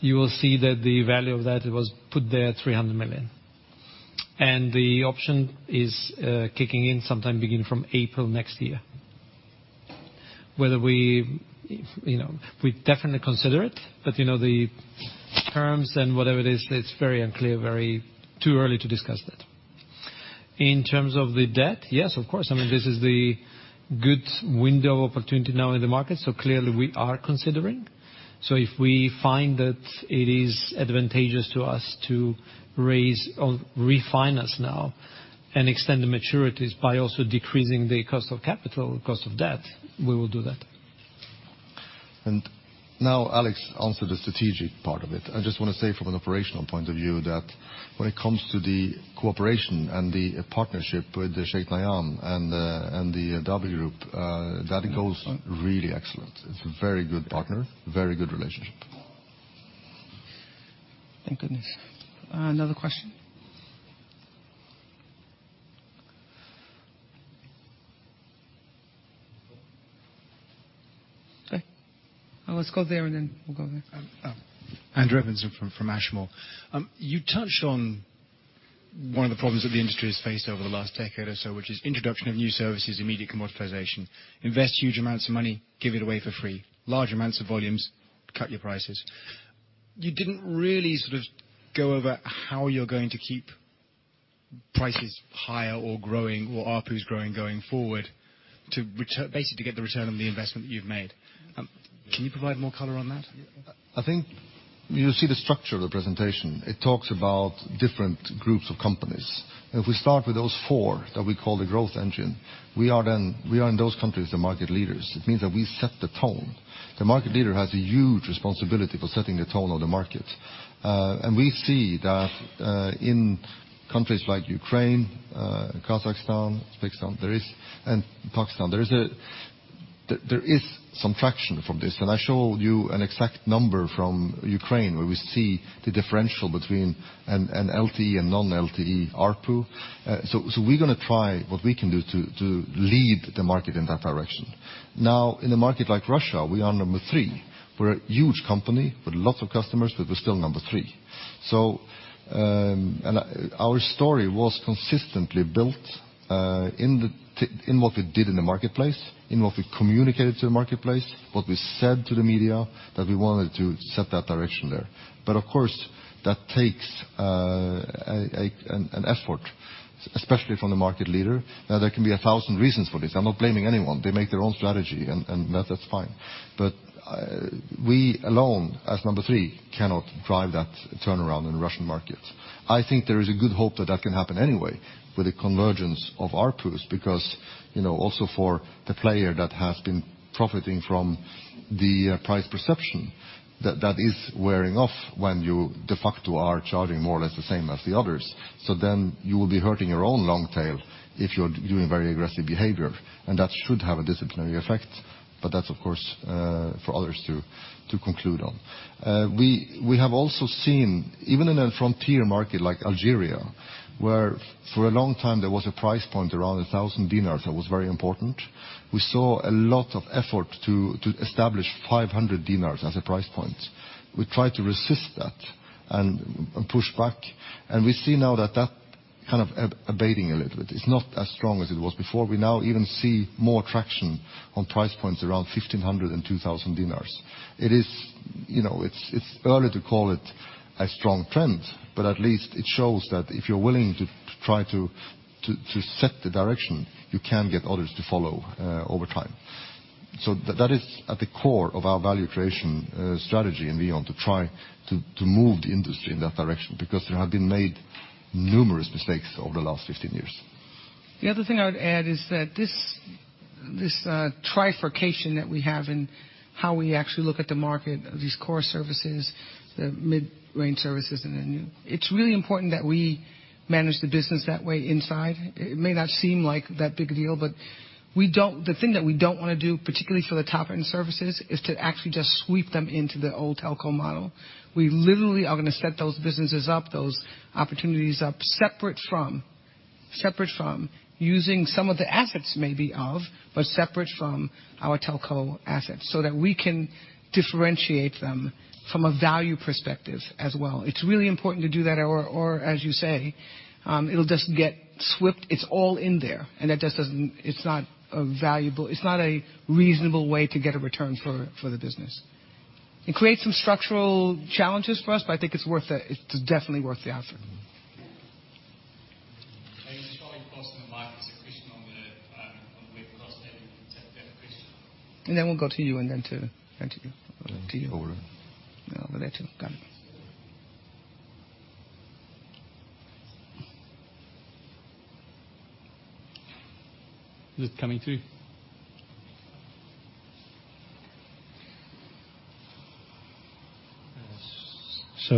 you will see that the value of that was put there $300 million. The option is kicking in sometime beginning from April next year. We definitely consider it, but the terms and whatever it is, it's very unclear, too early to discuss that. In terms of the debt, yes, of course. This is the good window opportunity now in the market, so clearly we are considering. If we find that it is advantageous to us to raise or refinance now and extend the maturities by also decreasing the cost of capital, cost of debt, we will do that. Now Alex answered the strategic part of it. I just want to say from an operational point of view that when it comes to the cooperation and the partnership with the Sheikh Nahyan and the Dhabi Group, that goes really excellent. It's a very good partner, very good relationship. Thank goodness. Another question? Okay. Let's go there, and then we'll go there. Oh. Andrew Evans from Schroders. You touched on one of the problems that the industry has faced over the last decade or so, which is introduction of new services, immediate commoditization. Invest huge amounts of money, give it away for free. Large amounts of volumes, cut your prices. You didn't really go over how you're going to keep prices higher or growing or ARPUs growing going forward, basically to get the return on the investment that you've made. Can you provide more color on that? I think you see the structure of the presentation. It talks about different groups of companies. If we start with those four that we call the growth engine, we are in those countries the market leaders. It means that we set the tone. The market leader has a huge responsibility for setting the tone of the market. We see that in countries like Ukraine, Kazakhstan, Uzbekistan, and Pakistan, there is some traction from this. I showed you an exact number from Ukraine, where we see the differential between an LTE and non-LTE ARPU. We're going to try what we can do to lead the market in that direction. Now, in a market like Russia, we are number three. We're a huge company with lots of customers, we're still number three. Our story was consistently built in what we did in the marketplace, in what we communicated to the marketplace, what we said to the media, that we wanted to set that direction there. Of course, that takes an effort, especially from the market leader. There can be 1,000 reasons for this. I'm not blaming anyone. They make their own strategy, and that's fine. We alone, as number 3, cannot drive that turnaround in the Russian market. I think there is a good hope that that can happen anyway with a convergence of ARPUs because also for the player that has been profiting from the price perception that that is wearing off when you de facto are charging more or less the same as the others. You will be hurting your own long tail if you're doing very aggressive behavior, and that should have a disciplinary effect. That's, of course, for others to conclude on. We have also seen, even in a frontier market like Algeria, where for a long time there was a price point around DZD 1,000 that was very important. We saw a lot of effort to establish DZD 500 as a price point. We tried to resist that and push back, and we see now that that abating a little bit. It's not as strong as it was before. We now even see more traction on price points around DZD 1,500 and DZD 2,000. It's early to call it a strong trend, but at least it shows that if you're willing to try to set the direction, you can get others to follow over time. That is at the core of our value creation strategy in VEON, to try to move the industry in that direction because there have been made numerous mistakes over the last 15 years. The other thing I would add is that this trifurcation that we have in how we actually look at the market of these core services, the mid-range services, and the new. It's really important that we manage the business that way inside. It may not seem like that big a deal, but the thing that we don't want to do, particularly for the top-end services, is to actually just sweep them into the old telco model. We literally are going to set those businesses up, those opportunities up, separate from using some of the assets maybe of, but separate from our telco assets so that we can differentiate them from a value perspective as well. It's really important to do that, or as you say, it'll just get swept. It's all in there, and it's not a reasonable way to get a return for the business. It creates some structural challenges for us, but I think it's definitely worth the effort. Maybe just while you're pausing, Mike, there's a question on the webcast. Maybe we can take that question. Then we'll go to you and then to you. All right. Over there, too. Got it. Is it coming through?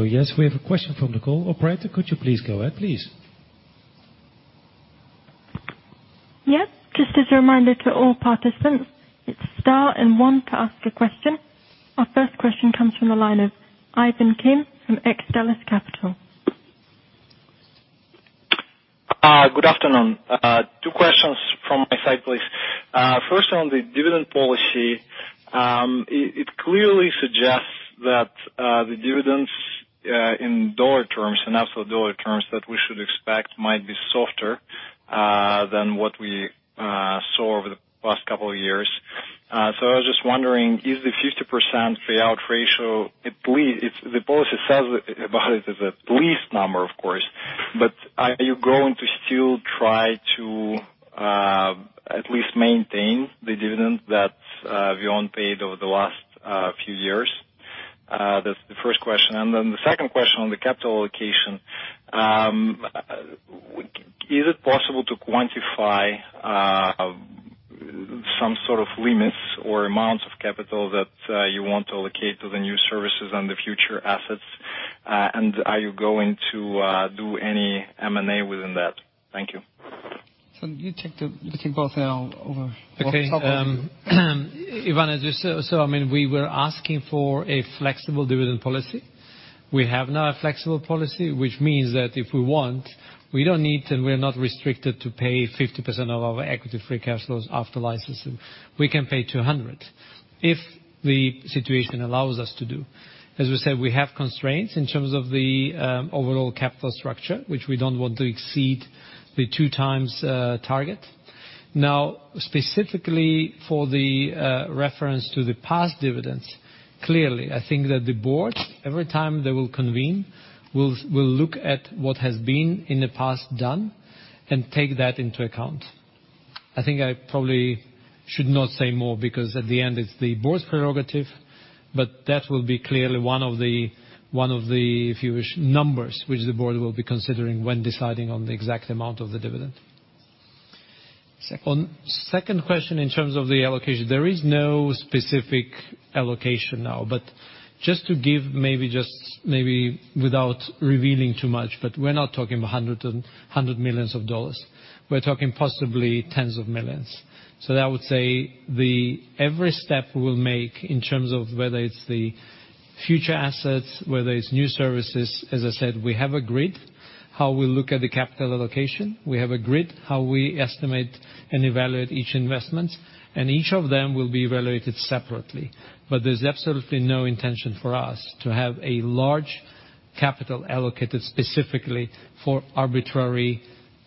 Yes, we have a question from the call operator. Could you please go ahead, please? Yes. Just as a reminder to all participants, it's star and one to ask a question. Our first question comes from the line of Ivan Kim from Xtellus Capital. Good afternoon. Two questions from my side, please. First on the dividend policy. It clearly suggests that the dividends in $ terms, in absolute $ terms, that we should expect might be softer than what we saw over the past couple of years. I was just wondering, is the 50% payout ratio, the policy says about it as a least number, of course, but are you going to still try to at least maintain the dividend that VEON paid over the last few years? That's the first question. The second question on the capital allocation. Is it possible to quantify some sort of limits or amounts of capital that you want to allocate to the new services and the future assets? Are you going to do any M&A within that? Thank you. You take both over the top. Okay. Ivan, we were asking for a flexible dividend policy. We have now a flexible policy, which means that if we want, we don't need and we're not restricted to pay 50% of our equity free cash flows after licensing. We can pay 200 if the situation allows us to do. As we said, we have constraints in terms of the overall capital structure, which we don't want to exceed the 2x target. Specifically for the reference to the past dividends, clearly, I think that the board, every time they will convene, will look at what has been in the past done and take that into account. I think I probably should not say more, because at the end it's the board's prerogative. That will be clearly one of the, if you wish, numbers, which the board will be considering when deciding on the exact amount of the dividend. Second. On second question in terms of the allocation. There is no specific allocation now, just to give maybe without revealing too much, we're not talking $100 million. We're talking possibly tens of millions. I would say every step we will make in terms of whether it's the future assets, whether it's new services, as I said, we have a grid, how we look at the capital allocation. We have a grid, how we estimate and evaluate each investment. Each of them will be evaluated separately. There's absolutely no intention for us to have a large capital allocated specifically for arbitrary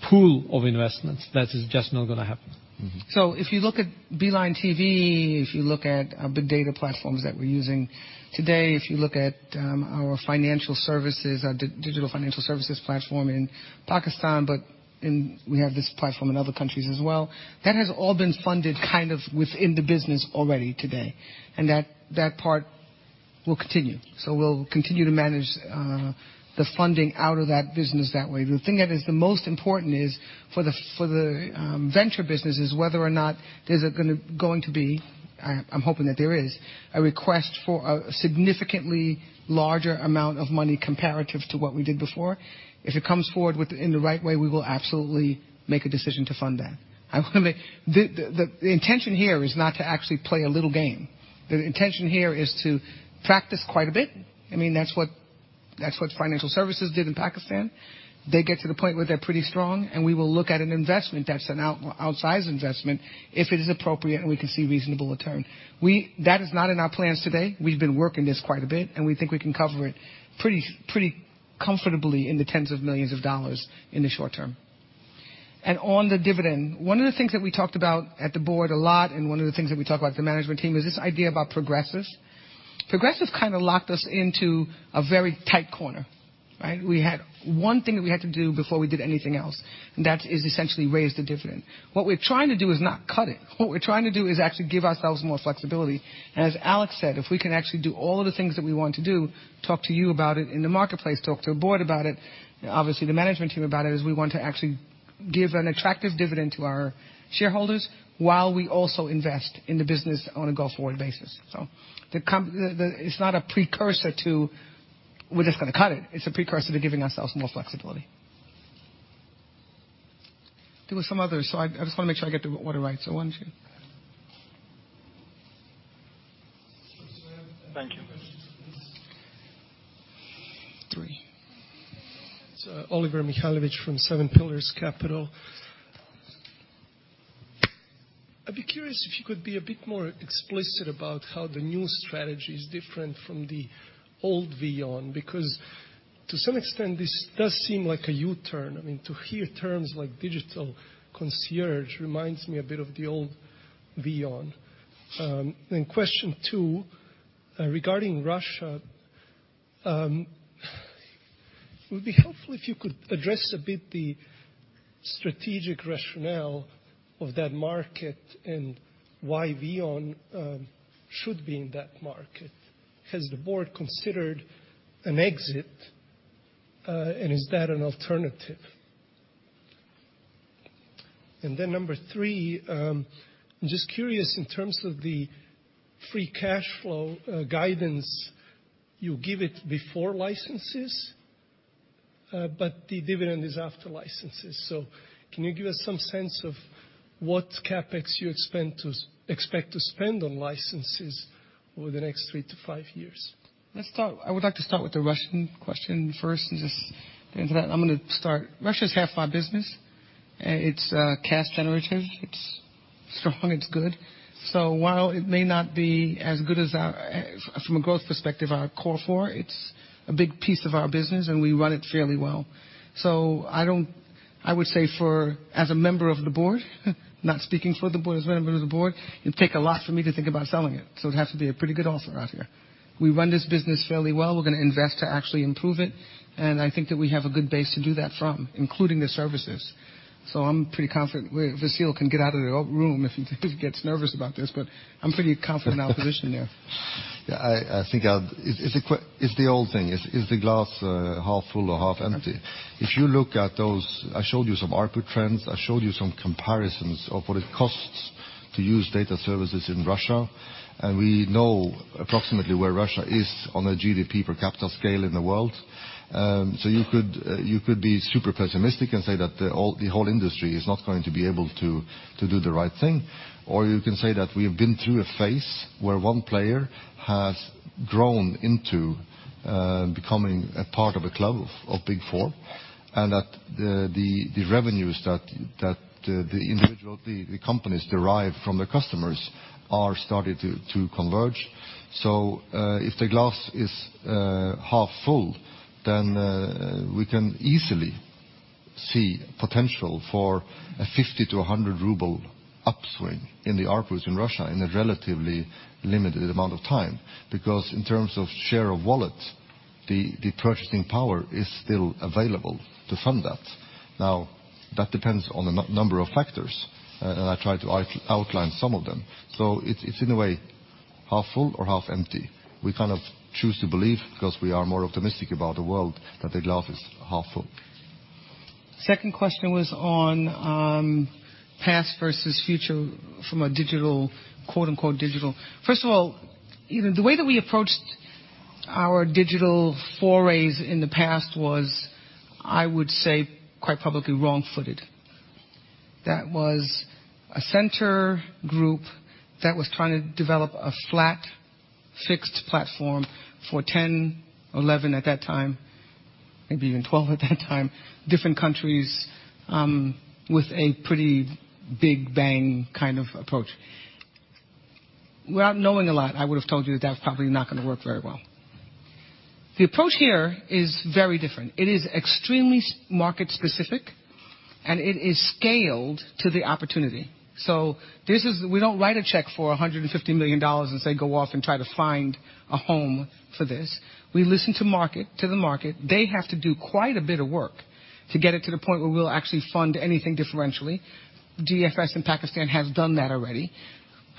pool of investments. That is just not going to happen. If you look at Beeline TV, if you look at big data platforms that we're using today, if you look at our digital financial services platform in Pakistan, but we have this platform in other countries as well, that has all been funded within the business already today. That part will continue. We'll continue to manage the funding out of that business that way. The thing that is the most important is for the venture businesses, whether or not there's going to be, I'm hoping that there is, a request for a significantly larger amount of money comparative to what we did before. If it comes forward in the right way, we will absolutely make a decision to fund that. The intention here is not to actually play a little game. The intention here is to practice quite a bit. That's what financial services did in Pakistan. They get to the point where they're pretty strong, and we will look at an investment that's an outsized investment if it is appropriate and we can see reasonable return. That is not in our plans today. We've been working this quite a bit, and we think we can cover it pretty comfortably in the tens of millions of dollars in the short term. On the dividend, one of the things that we talked about at the board a lot, and one of the things that we talked about at the management team, is this idea about progressives. Progressives locked us into a very tight corner. We had one thing that we had to do before we did anything else, and that is essentially raise the dividend. What we're trying to do is not cut it. What we're trying to do is actually give ourselves more flexibility. As Alex said, if we can actually do all of the things that we want to do, talk to you about it in the marketplace, talk to the board about it, obviously the management team about it, is we want to actually give an attractive dividend to our shareholders while we also invest in the business on a go-forward basis. It's not a precursor to we're just going to cut it. It's a precursor to giving ourselves more flexibility. There were some others. I just want to make sure I get the order right. One, two. Thank you. Three. It's Oliver Mihajlovic from Seven Pillars Capital. I'd be curious if you could be a bit more explicit about how the new strategy is different from the old VEON, because to some extent, this does seem like a U-turn. To hear terms like digital concierge reminds me a bit of the old VEON. Question two, regarding Russia, it would be helpful if you could address a bit the strategic rationale of that market and why VEON should be in that market. Has the board considered an exit? Is that an alternative? Number three, I'm just curious in terms of the free cash flow guidance, you give it before licenses, but the dividend is after licenses. Can you give us some sense of what CapEx you expect to spend on licenses over the next three to five years? I would like to start with the Russian question first and just answer that. I'm going to start. Russia is half our business. It's cash generative. It's strong, it's good. While it may not be as good as from a growth perspective, our core four, it's a big piece of our business, and we run it fairly well. I would say as a member of the board, not speaking for the board, as a member of the board, it'd take a lot for me to think about selling it. It has to be a pretty good offer out there. We run this business fairly well. We're going to invest to actually improve it. I think that we have a good base to do that from, including the services. I'm pretty confident. Vasyl can get out of the room if he gets nervous about this, but I'm pretty confident in our position there. Yeah, I think it's the old thing. Is the glass half full or half empty? Okay. If you look at those, I showed you some ARPU trends. I showed you some comparisons of what it costs To use data services in Russia. We know approximately where Russia is on a GDP per capita scale in the world. You could be super pessimistic and say that the whole industry is not going to be able to do the right thing, or you can say that we have been through a phase where one player has grown into becoming a part of a club of big four, and that the revenues that the individual companies derive from the customers are starting to converge. If the glass is half full, then we can easily see potential for a 50-100 ruble upswing in the ARPUs in Russia in a relatively limited amount of time, because in terms of share of wallet, the purchasing power is still available to fund that. Now, that depends on a number of factors, and I tried to outline some of them. It's in a way, half full or half empty. We kind of choose to believe, because we are more optimistic about the world, that the glass is half full. Second question was on past versus future from a "digital." First of all, the way that we approached our digital forays in the past was, I would say, quite publicly wrong-footed. That was a center group that was trying to develop a flat, fixed platform for 10, 11 at that time, maybe even 12 at that time, different countries with a pretty big bang kind of approach. Without knowing a lot, I would've told you that's probably not going to work very well. The approach here is very different. It is extremely market specific, and it is scaled to the opportunity. We don't write a check for $150 million and say, "Go off and try to find a home for this." We listen to the market. They have to do quite a bit of work to get it to the point where we'll actually fund anything differentially. DFS in Pakistan has done that already.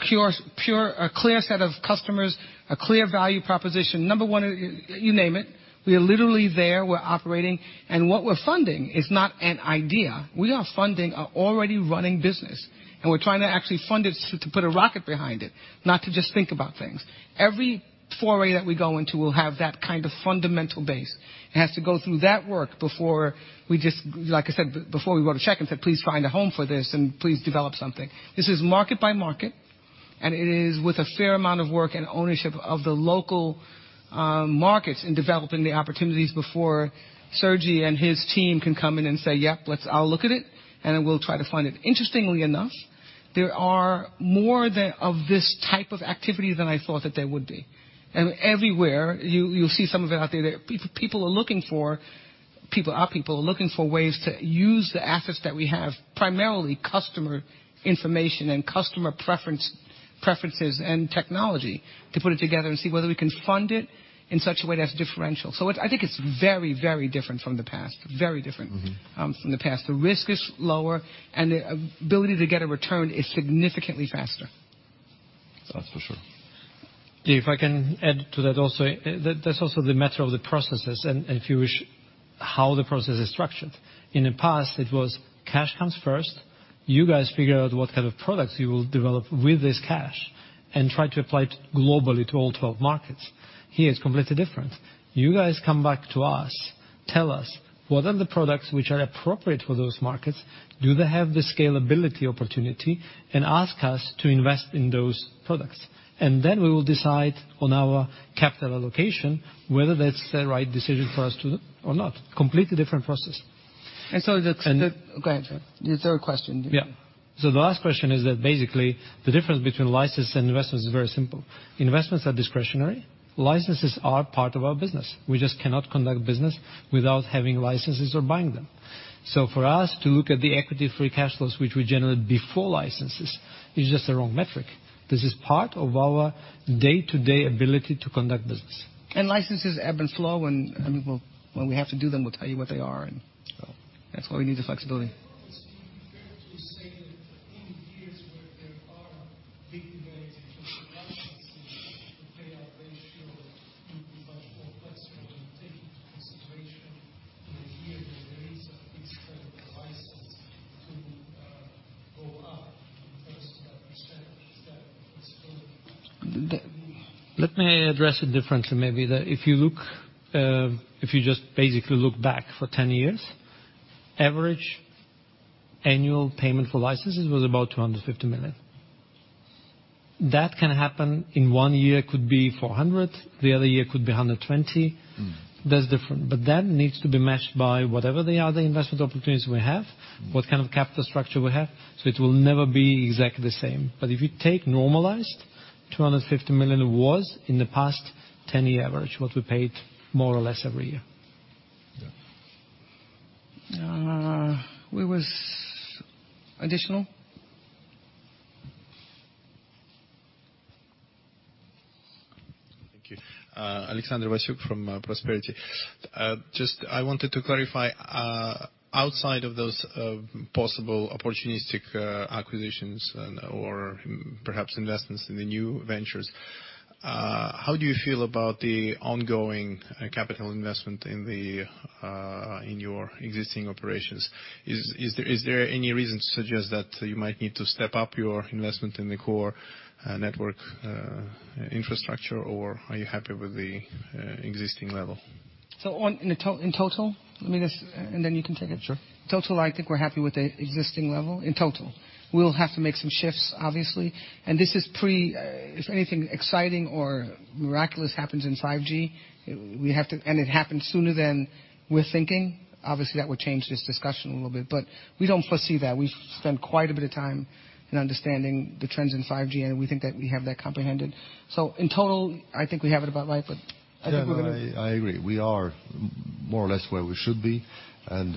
A clear set of customers, a clear value proposition. Number one, you name it. We are literally there. We're operating. What we're funding is not an idea. We are funding an already running business, and we're trying to actually fund it to put a rocket behind it, not to just think about things. Every foray that we go into will have that kind of fundamental base. It has to go through that work before we just, like I said, before we wrote a check and said, "Please find a home for this, and please develop something." This is market by market, and it is with a fair amount of work and ownership of the local markets in developing the opportunities before Sergi and his team can come in and say, "Yep, I'll look at it, and then we'll try to fund it." Interestingly enough, there are more of this type of activity than I thought that there would be. Everywhere, you'll see some of it out there that people are looking for, our people are looking for ways to use the assets that we have, primarily customer information and customer preferences and technology to put it together and see whether we can fund it in such a way that's differential. I think it's very different from the past. From the past. The risk is lower, and the ability to get a return is significantly faster. That's for sure. If I can add to that also. That's also the matter of the processes and, if you wish, how the process is structured. In the past, it was cash comes first. You guys figure out what kind of products you will develop with this cash and try to apply it globally to all 12 markets. Here, it's completely different. You guys come back to us, tell us what are the products which are appropriate for those markets, do they have the scalability opportunity, and ask us to invest in those products. Then we will decide on our capital allocation whether that's the right decision for us to do or not. Completely different process. And so the- And- Go ahead, sir. The third question. The last question is that basically the difference between license and investments is very simple. Investments are discretionary. Licenses are part of our business. We just cannot conduct business without having licenses or buying them. For us to look at the equity free cash flows, which we generate before licenses, is just the wrong metric. This is part of our day-to-day ability to conduct business. Licenses ebb and flow, and when we have to do them, we'll tell you what they are, so that's why we need the flexibility. Robert, would it be fair to say that in years where there are big waves in terms of licensing, the payout ratio would be much more flexible than taking the situation in a year where there is a big spread of license to go up in terms of that percentage that is paid? Let me address it differently. Maybe if you just basically look back for 10 years, average annual payment for licenses was about $250 million. That can happen in one year, could be $400, the other year could be $120. That's different. That needs to be matched by whatever the other investment opportunities we have. What kind of capital structure we have. It will never be exactly the same. If you take normalized, $250 million was in the past 10-year average what we paid more or less every year. Yeah. Where was additional? Thank you. Alexander Vasyuk from Prosperity. I wanted to clarify, outside of those possible opportunistic acquisitions and/or perhaps investments in the new ventures. How do you feel about the ongoing capital investment in your existing operations? Is there any reason to suggest that you might need to step up your investment in the core network infrastructure, or are you happy with the existing level? In total, let me just And then you can take it. Sure. Total, I think we're happy with the existing level. In total. We'll have to make some shifts, obviously, this is pre If anything exciting or miraculous happens in 5G, and it happens sooner than we're thinking, obviously that would change this discussion a little bit. We don't foresee that. We spend quite a bit of time in understanding the trends in 5G, and we think that we have that comprehended. In total, I think we have it about right. Yeah, I agree. We are more or less where we should be, and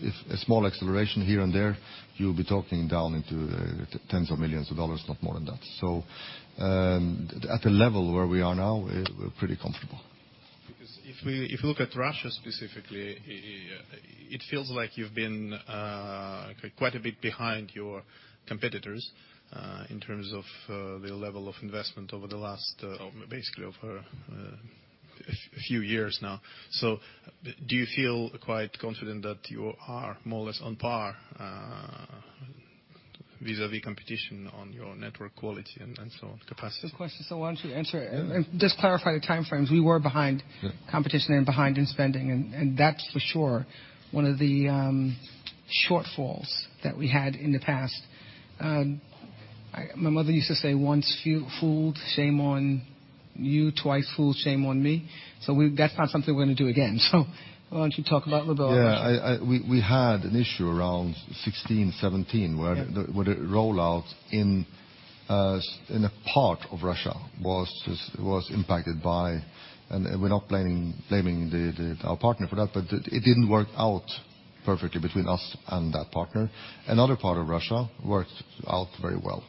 if a small acceleration here and there, you'll be talking down into $ tens of millions, not more than that. At the level where we are now, we're pretty comfortable. If you look at Russia specifically, it feels like you've been quite a bit behind your competitors in terms of the level of investment over the last few years now. Do you feel quite confident that you are more or less on par vis-à-vis competition on your network quality and so on capacity? Good question. Why don't you answer it, and just clarify the time frames. We were behind competition and behind in spending, and that's for sure one of the shortfalls that we had in the past. My mother used to say, "Once fooled, shame on you. Twice fooled, shame on me." That's not something we're going to do again. Why don't you talk about Russia? Yeah. We had an issue around 2016, 2017, where the rollout in a part of Russia was impacted by, and we're not blaming our partner for that, but it didn't work out perfectly between us and that partner. Another part of Russia worked out very well.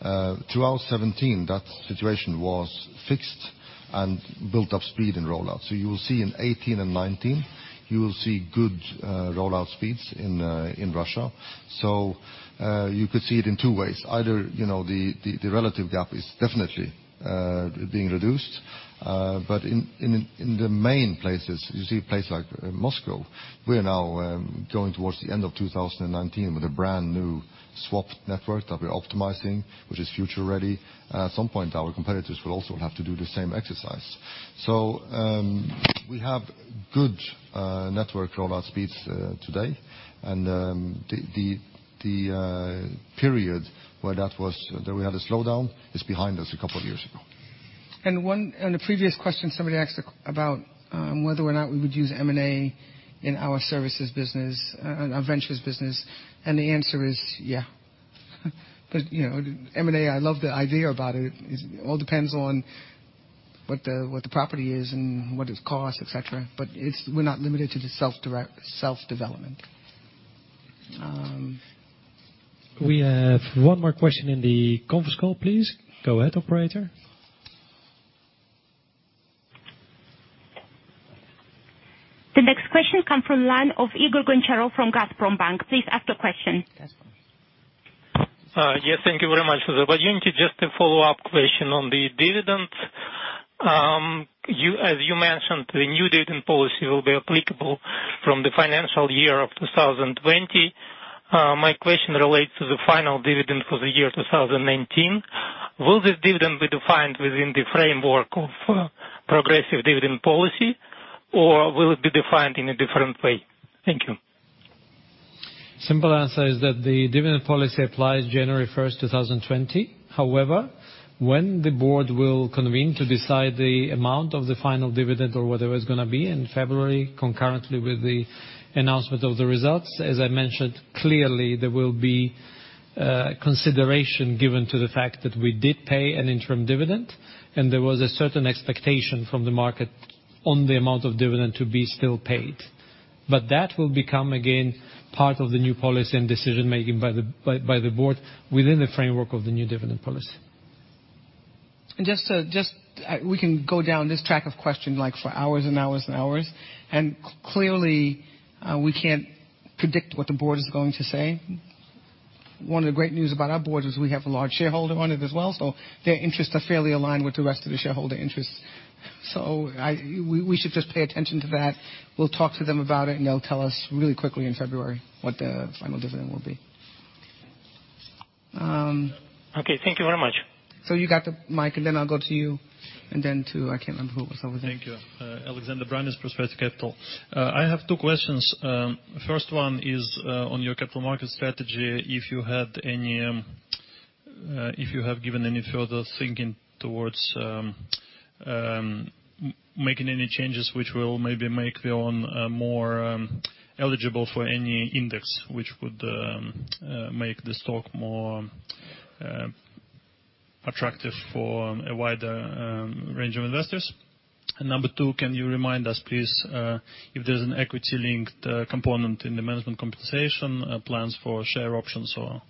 Throughout 2017, that situation was fixed and built up speed in rollout. You will see in 2018 and 2019, you will see good rollout speeds in Russia. You could see it in two ways. Either the relative gap is definitely being reduced. In the main places, you see a place like Moscow, we are now going towards the end of 2019 with a brand-new swapped network that we're optimizing, which is future-ready. At some point, our competitors will also have to do the same exercise. We have good network rollout speeds today, and the period where we had a slowdown is behind us a couple of years ago. In a previous question, somebody asked about whether or not we would use M&A in our services business, our ventures business, and the answer is yeah. M&A, I love the idea about it. It all depends on what the property is and what it costs, et cetera. We're not limited to just self-development. We have one more question in the conference call, please. Go ahead, operator. The next question come from line of Igor Goncharov from Gazprombank. Please ask your question. Yes, thank you very much for the opportunity. Just a follow-up question on the dividend. As you mentioned, the new dividend policy will be applicable from the financial year of 2020. My question relates to the final dividend for the year 2019. Will this dividend be defined within the framework of progressive dividend policy, or will it be defined in a different way? Thank you. Simple answer is that the dividend policy applies January 1st, 2020. When the board will convene to decide the amount of the final dividend or whatever it's going to be in February, concurrently with the announcement of the results, as I mentioned, clearly, there will be consideration given to the fact that we did pay an interim dividend, and there was a certain expectation from the market on the amount of dividend to be still paid. That will become again, part of the new policy and decision-making by the board within the framework of the new dividend policy. We can go down this track of question for hours and hours and hours. Clearly, we can't predict what the board is going to say. One of the great news about our board is we have a large shareholder on it as well, so their interests are fairly aligned with the rest of the shareholder interests. We should just pay attention to that. We'll talk to them about it, and they'll tell us really quickly in February what the final dividend will be. Okay. Thank you very much. You got the mic, and then I'll go to you, and then to, I can't remember who was over there. Thank you. Alexander Branis, Prosperity Capital Management. I have two questions. First one is on your capital market strategy, if you have given any further thinking towards making any changes which will maybe make VEON more eligible for any index, which would make the stock more attractive for a wider range of investors. Number two, can you remind us, please, if there's an equity-linked component in the management compensation plans for share options or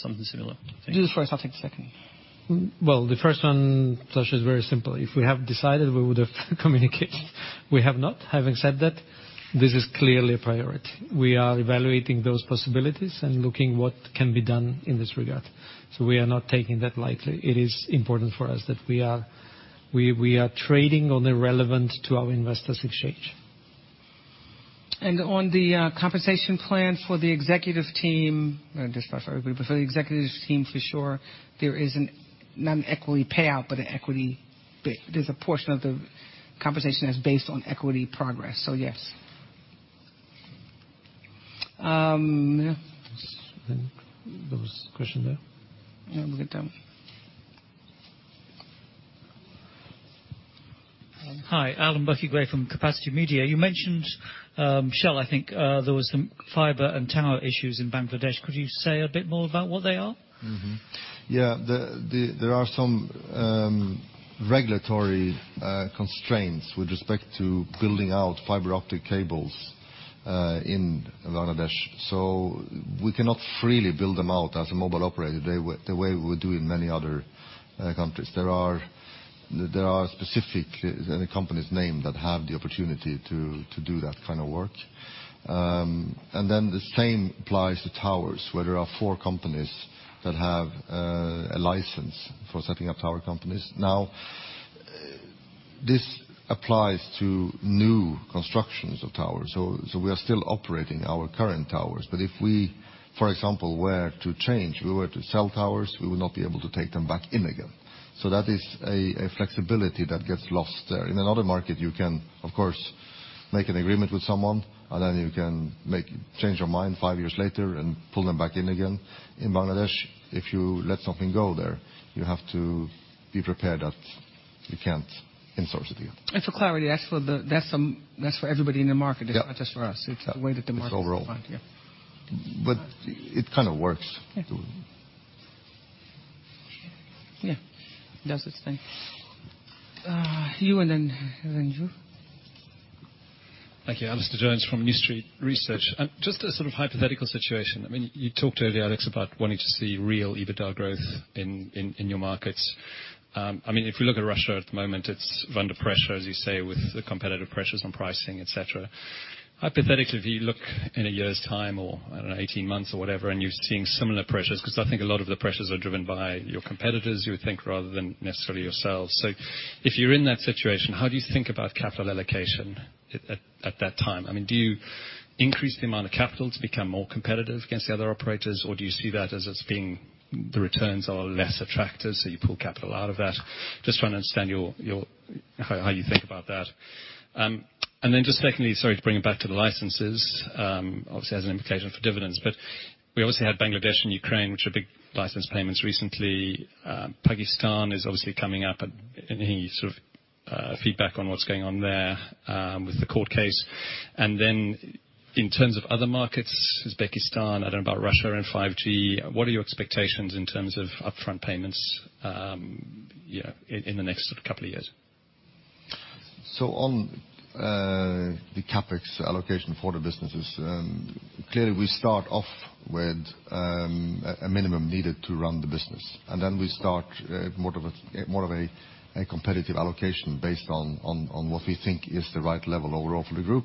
something similar? Thank you. Do the first, I'll take the second. Well, the first one, Sasha, is very simple. If we have decided, we would have communicated. We have not. Having said that, this is clearly a priority. We are evaluating those possibilities and looking at what can be done in this regard. We are not taking that lightly. It is important for us that we are trading on a relevant-to-our-investors exchange. On the compensation plan for the executive team, not just for everybody, but for the executive team for sure, there is not an equity payout, but there's a portion of the compensation that's based on equity progress. Yes. There was a question there. Yeah, we'll get to him. Hi, Alan Burkitt-Gray from Capacity Media. You mentioned, Kjell, I think there was some fiber and tower issues in Bangladesh. Could you say a bit more about what they are? Yeah. There are some regulatory constraints with respect to building out fiber optic cables in Bangladesh. We cannot freely build them out as a mobile operator the way we do in many other countries. There are specific companies named that have the opportunity to do that kind of work. The same applies to towers, where there are four companies that have a license for setting up tower companies. Now, this applies to new constructions of towers. We are still operating our current towers, but if we, for example, were to change, we were to sell towers, we would not be able to take them back in again. That is a flexibility that gets lost there. In another market, you can, of course, make an agreement with someone, and then you can change your mind five years later and pull them back in again. In Bangladesh, if you let something go there, you have to be prepared that you can't in-source it again. For clarity, that's for everybody in the market. Yeah It's not just for us. Yeah. It's the way that the market- It's overall. is run. Yeah. It kind of works. Yeah. Yeah. Does its thing. You, and then you. Thank you. Alastair Jones from New Street Research. Just a sort of hypothetical situation. You talked earlier, Alex, about wanting to see real EBITDA growth in your markets. If we look at Russia at the moment, it's under pressure, as you say, with the competitive pressures on pricing, et cetera. Hypothetically, if you look in a year's time or, I don't know, 18 months or whatever, and you're seeing similar pressures, because I think a lot of the pressures are driven by your competitors, you would think, rather than necessarily yourselves. If you're in that situation, how do you think about capital allocation at that time? Do you increase the amount of capital to become more competitive against the other operators? Do you see that as us being the returns are less attractive, so you pull capital out of that? Just trying to understand how you think about that. Just secondly, sorry to bring it back to the licenses. Obviously, it has an implication for dividends, but we obviously had Bangladesh and Ukraine, which are big license payments recently. Pakistan is obviously coming up. Any sort of feedback on what's going on there with the court case? In terms of other markets, Uzbekistan, I don't know about Russia and 5G. What are your expectations in terms of upfront payments in the next couple of years? On the CapEx allocation for the businesses, clearly we start off with a minimum needed to run the business. Then we start more of a competitive allocation based on what we think is the right level overall for the group.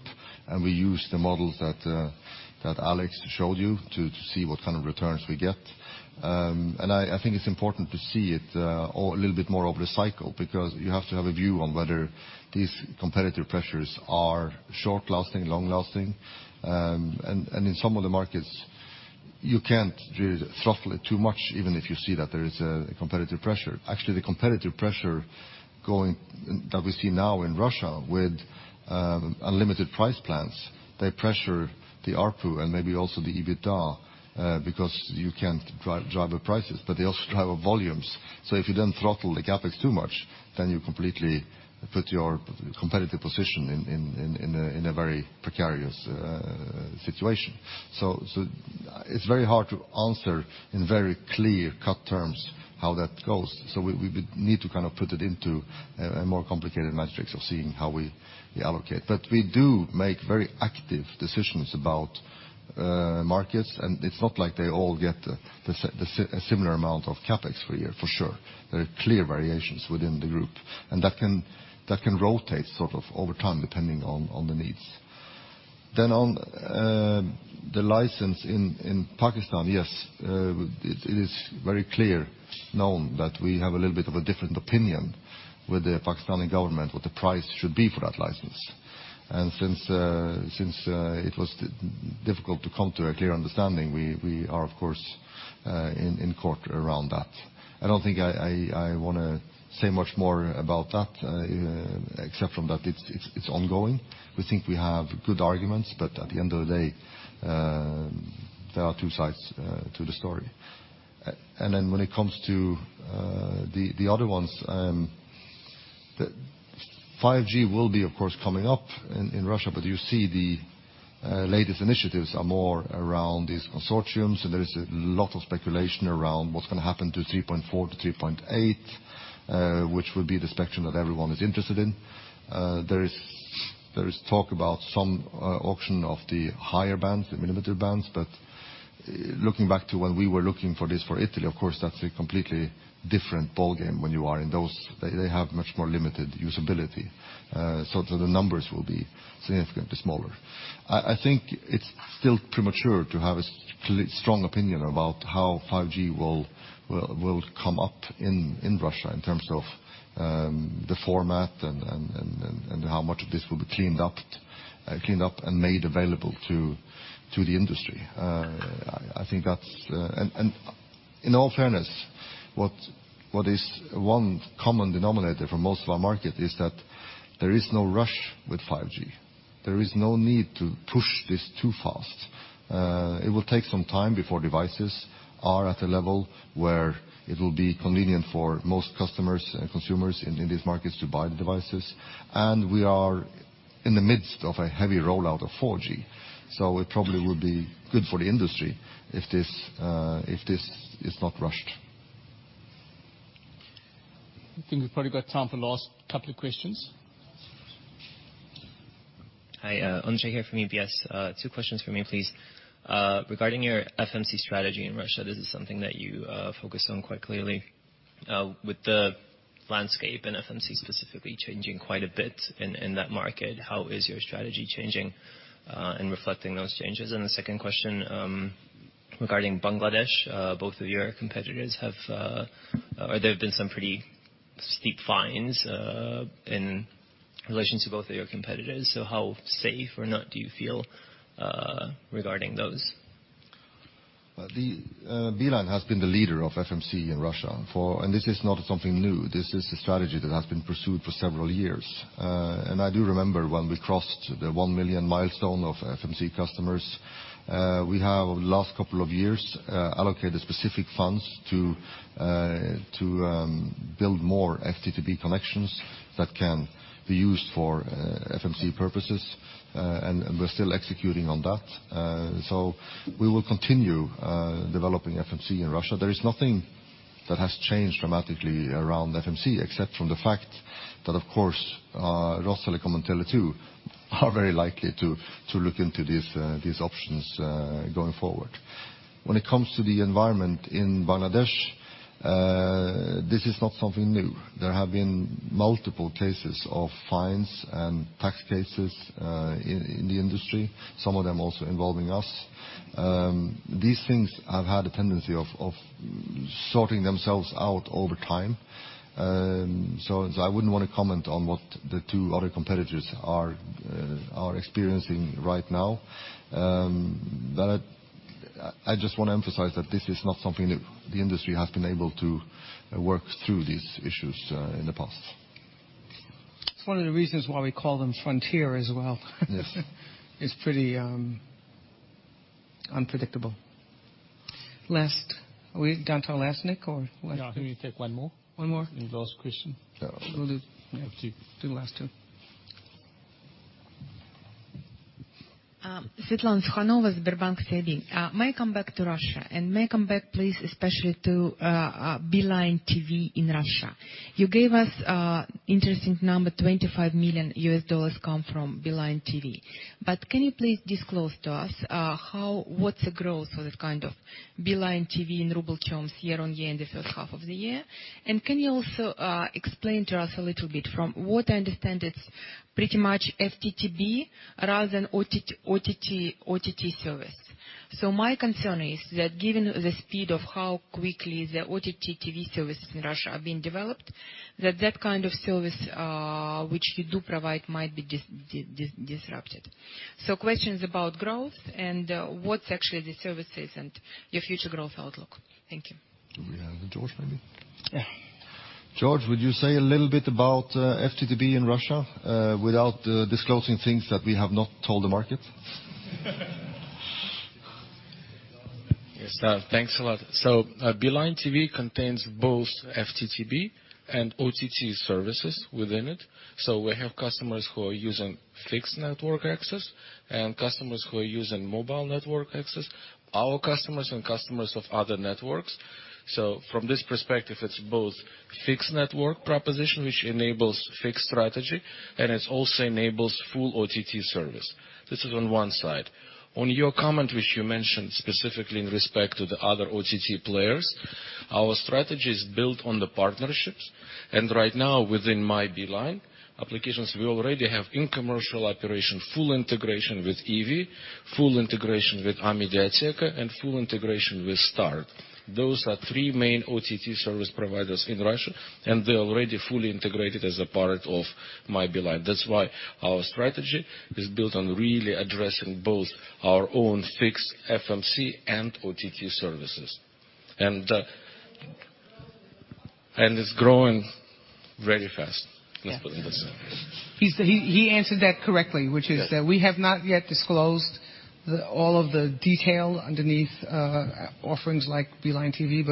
We use the models that Alex showed you to see what kind of returns we get. I think it's important to see it a little bit more over the cycle, because you have to have a view on whether these competitive pressures are short-lasting, long-lasting. In some of the markets, you can't really throttle it too much, even if you see that there is a competitive pressure. Actually, the competitive pressure that we see now in Russia with unlimited price plans, they pressure the ARPU and maybe also the EBITDA because you can't drive the prices, but they also drive our volumes. If you then throttle the CapEx too much, then you completely put your competitive position in a very precarious situation. It's very hard to answer in very clear cut terms how that goes. We would need to kind of put it into a more complicated matrix of seeing how we allocate. We do make very active decisions about markets, and it's not like they all get a similar amount of CapEx per year, for sure. There are clear variations within the group, and that can rotate sort of over time, depending on the needs. On the license in Pakistan, yes. It is very clear, known that we have a little bit of a different opinion with the Pakistani government what the price should be for that license. Since it was difficult to come to a clear understanding, we are of course in court around that. I don't think I want to say much more about that, except from that it's ongoing. We think we have good arguments, but at the end of the day, there are two sides to the story. When it comes to the other ones, 5G will be, of course, coming up in Russia. You see the latest initiatives are more around these consortiums, and there is a lot of speculation around what's going to happen to 3.4-3.8, which will be the spectrum that everyone is interested in. There is talk about some auction of the higher bands, the millimeter bands. Looking back to when we were looking for this for Italy, of course, that's a completely different ballgame when you are in those. They have much more limited usability, so the numbers will be significantly smaller. I think it's still premature to have a strong opinion about how 5G will come up in Russia in terms of the format and how much of this will be cleaned up and made available to the industry. In all fairness, what is one common denominator for most of our market is that there is no rush with 5G. There is no need to push this too fast. It will take some time before devices are at a level where it will be convenient for most customers and consumers in these markets to buy the devices. We are in the midst of a heavy rollout of 4G, so it probably would be good for the industry if this is not rushed. I think we've probably got time for last couple of questions. Hi, Andrej here from EBS. Two questions from me, please. Regarding your FMC strategy in Russia, this is something that you focus on quite clearly. With the landscape and FMC specifically changing quite a bit in that market, how is your strategy changing and reflecting those changes? The second question, regarding Bangladesh, both of your competitors, or there have been some pretty steep fines in relation to both of your competitors. How safe or not do you feel regarding those? Beeline has been the leader of FMC in Russia for. This is not something new. This is a strategy that has been pursued for several years. I do remember when we crossed the 1 million milestone of FMC customers. We have, over the last couple of years, allocated specific funds to build more FTTB connections that can be used for FMC purposes. We're still executing on that. We will continue developing FMC in Russia. There is nothing that has changed dramatically around FMC, except from the fact that, of course, Rostelecom and Tele2 are very likely to look into these options going forward. When it comes to the environment in Bangladesh, this is not something new. There have been multiple cases of fines and tax cases in the industry, some of them also involving us. These things have had a tendency of sorting themselves out over time. I wouldn't want to comment on what the two other competitors are experiencing right now. I just want to emphasize that this is not something new. The industry has been able to work through these issues in the past. It's one of the reasons why we call them frontier as well. Yes. It's pretty unpredictable. Last. Are we down to our last, Nik, or last? Yeah, I think we take one more. One more. The last question? So we'll do- Yeah, two. do the last two. Svetlana Sukhanova with Sberbank CIB. May I come back to Russia, may I come back please, especially to Beeline TV in Russia. You gave us interesting number, $25 million come from Beeline TV. Can you please disclose to us what's the growth for that kind of Beeline TV in RUB terms year-over-year in the first half of the year? Can you also explain to us a little bit, from what I understand, it's pretty much FTTB rather than OTT service. My concern is that given the speed of how quickly the OTT TV services in Russia are being developed, that that kind of service which you do provide might be disrupted. Questions about growth and what's actually the services and your future growth outlook. Thank you. Do we have George, maybe? Yeah. George, would you say a little bit about FTTB in Russia without disclosing things that we have not told the market? Yes. Thanks a lot. Beeline TV contains both FTTB and OTT services within it. We have customers who are using fixed network access and customers who are using mobile network access, our customers and customers of other networks. From this perspective, it's both fixed network proposition, which enables fixed strategy, and it also enables full OTT service. This is on one side. On your comment, which you mentioned specifically in respect to the other OTT players, our strategy is built on the partnerships. Right now, within My Beeline applications, we already have in-commercial operation, full integration with ivi, full integration with Amediateka, and full integration with Start. Those are three main OTT service providers in Russia, and they're already fully integrated as a part of My Beeline. That's why our strategy is built on really addressing both our own fixed FMC and OTT services. It's growing It's growing very fast. Let's put it that way. He answered that correctly, which is that we have not yet disclosed all of the detail underneath offerings like Beeline TV.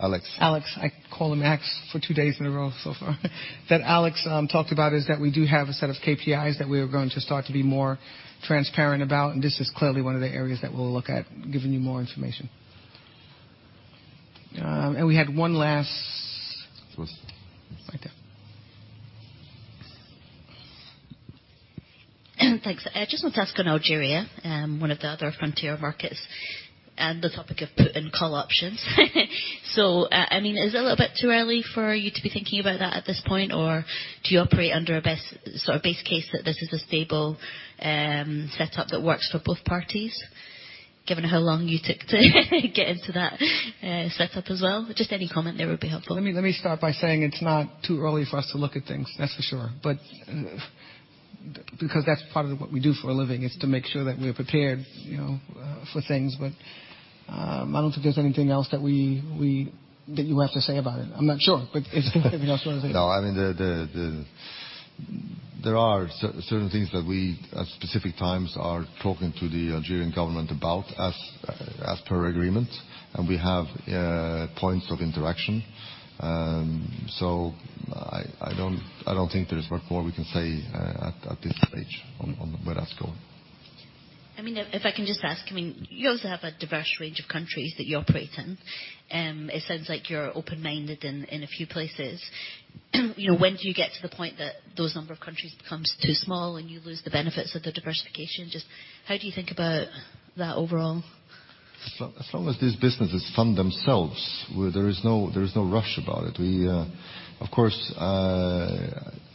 Alex. Alex. I call him Ax for two days in a row so far. That Alex talked about is that we do have a set of KPIs that we are going to start to be more transparent about, and this is clearly one of the areas that we'll look at giving you more information. We had one last. It was Thanks. Just want to ask on Algeria, one of the other frontier markets, and the topic of put and call options. Is it a little bit too early for you to be thinking about that at this point, or do you operate under a sort of base case that this is a stable setup that works for both parties, given how long you took to get into that setup as well? Just any comment there would be helpful. Let me start by saying it's not too early for us to look at things, that's for sure. That's part of what we do for a living, is to make sure that we are prepared for things. I don't think there's anything else that you have to say about it. I'm not sure, but is there anything else you want to say? No. There are certain things that we, at specific times, are talking to the Algerian government about as per agreement, and we have points of interaction. I don't think there is much more we can say at this stage on where that's going. If I can just ask, you also have a diverse range of countries that you operate in. It sounds like you are open-minded in a few places. When do you get to the point that those number of countries becomes too small and you lose the benefits of the diversification? Just how do you think about that overall? As long as these businesses fund themselves, there is no rush about it. Of course,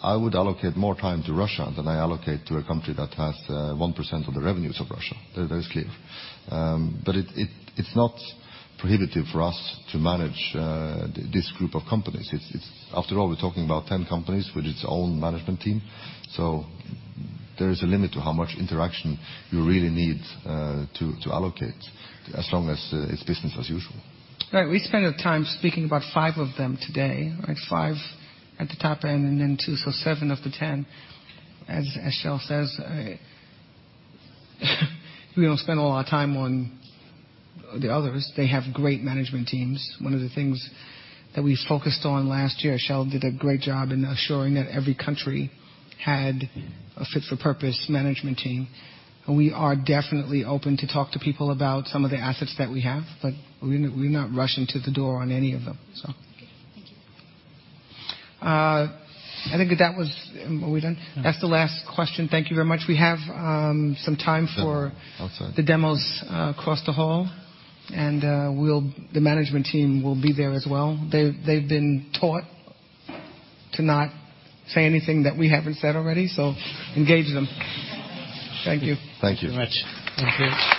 I would allocate more time to Russia than I allocate to a country that has 1% of the revenues of Russia. That is clear. It's not prohibitive for us to manage this group of companies. After all, we're talking about 10 companies with its own management team. There is a limit to how much interaction you really need to allocate, as long as it's business as usual. Right. We spent time speaking about five of them today. Five at the top end and then two, so seven of the 10. As Kjell says, we don't spend a lot of time on the others. They have great management teams. One of the things that we focused on last year, Kjell did a great job in assuring that every country had a fit for purpose management team. We are definitely open to talk to people about some of the assets that we have, but we're not rushing to the door on any of them. Okay. Thank you. Are we done? Yeah. That's the last question. Thank you very much. We have some time for- Outside the demos across the hall. The management team will be there as well. They've been taught to not say anything that we haven't said already, so engage them. Thank you. Thank you. Thank you very much. Thank you.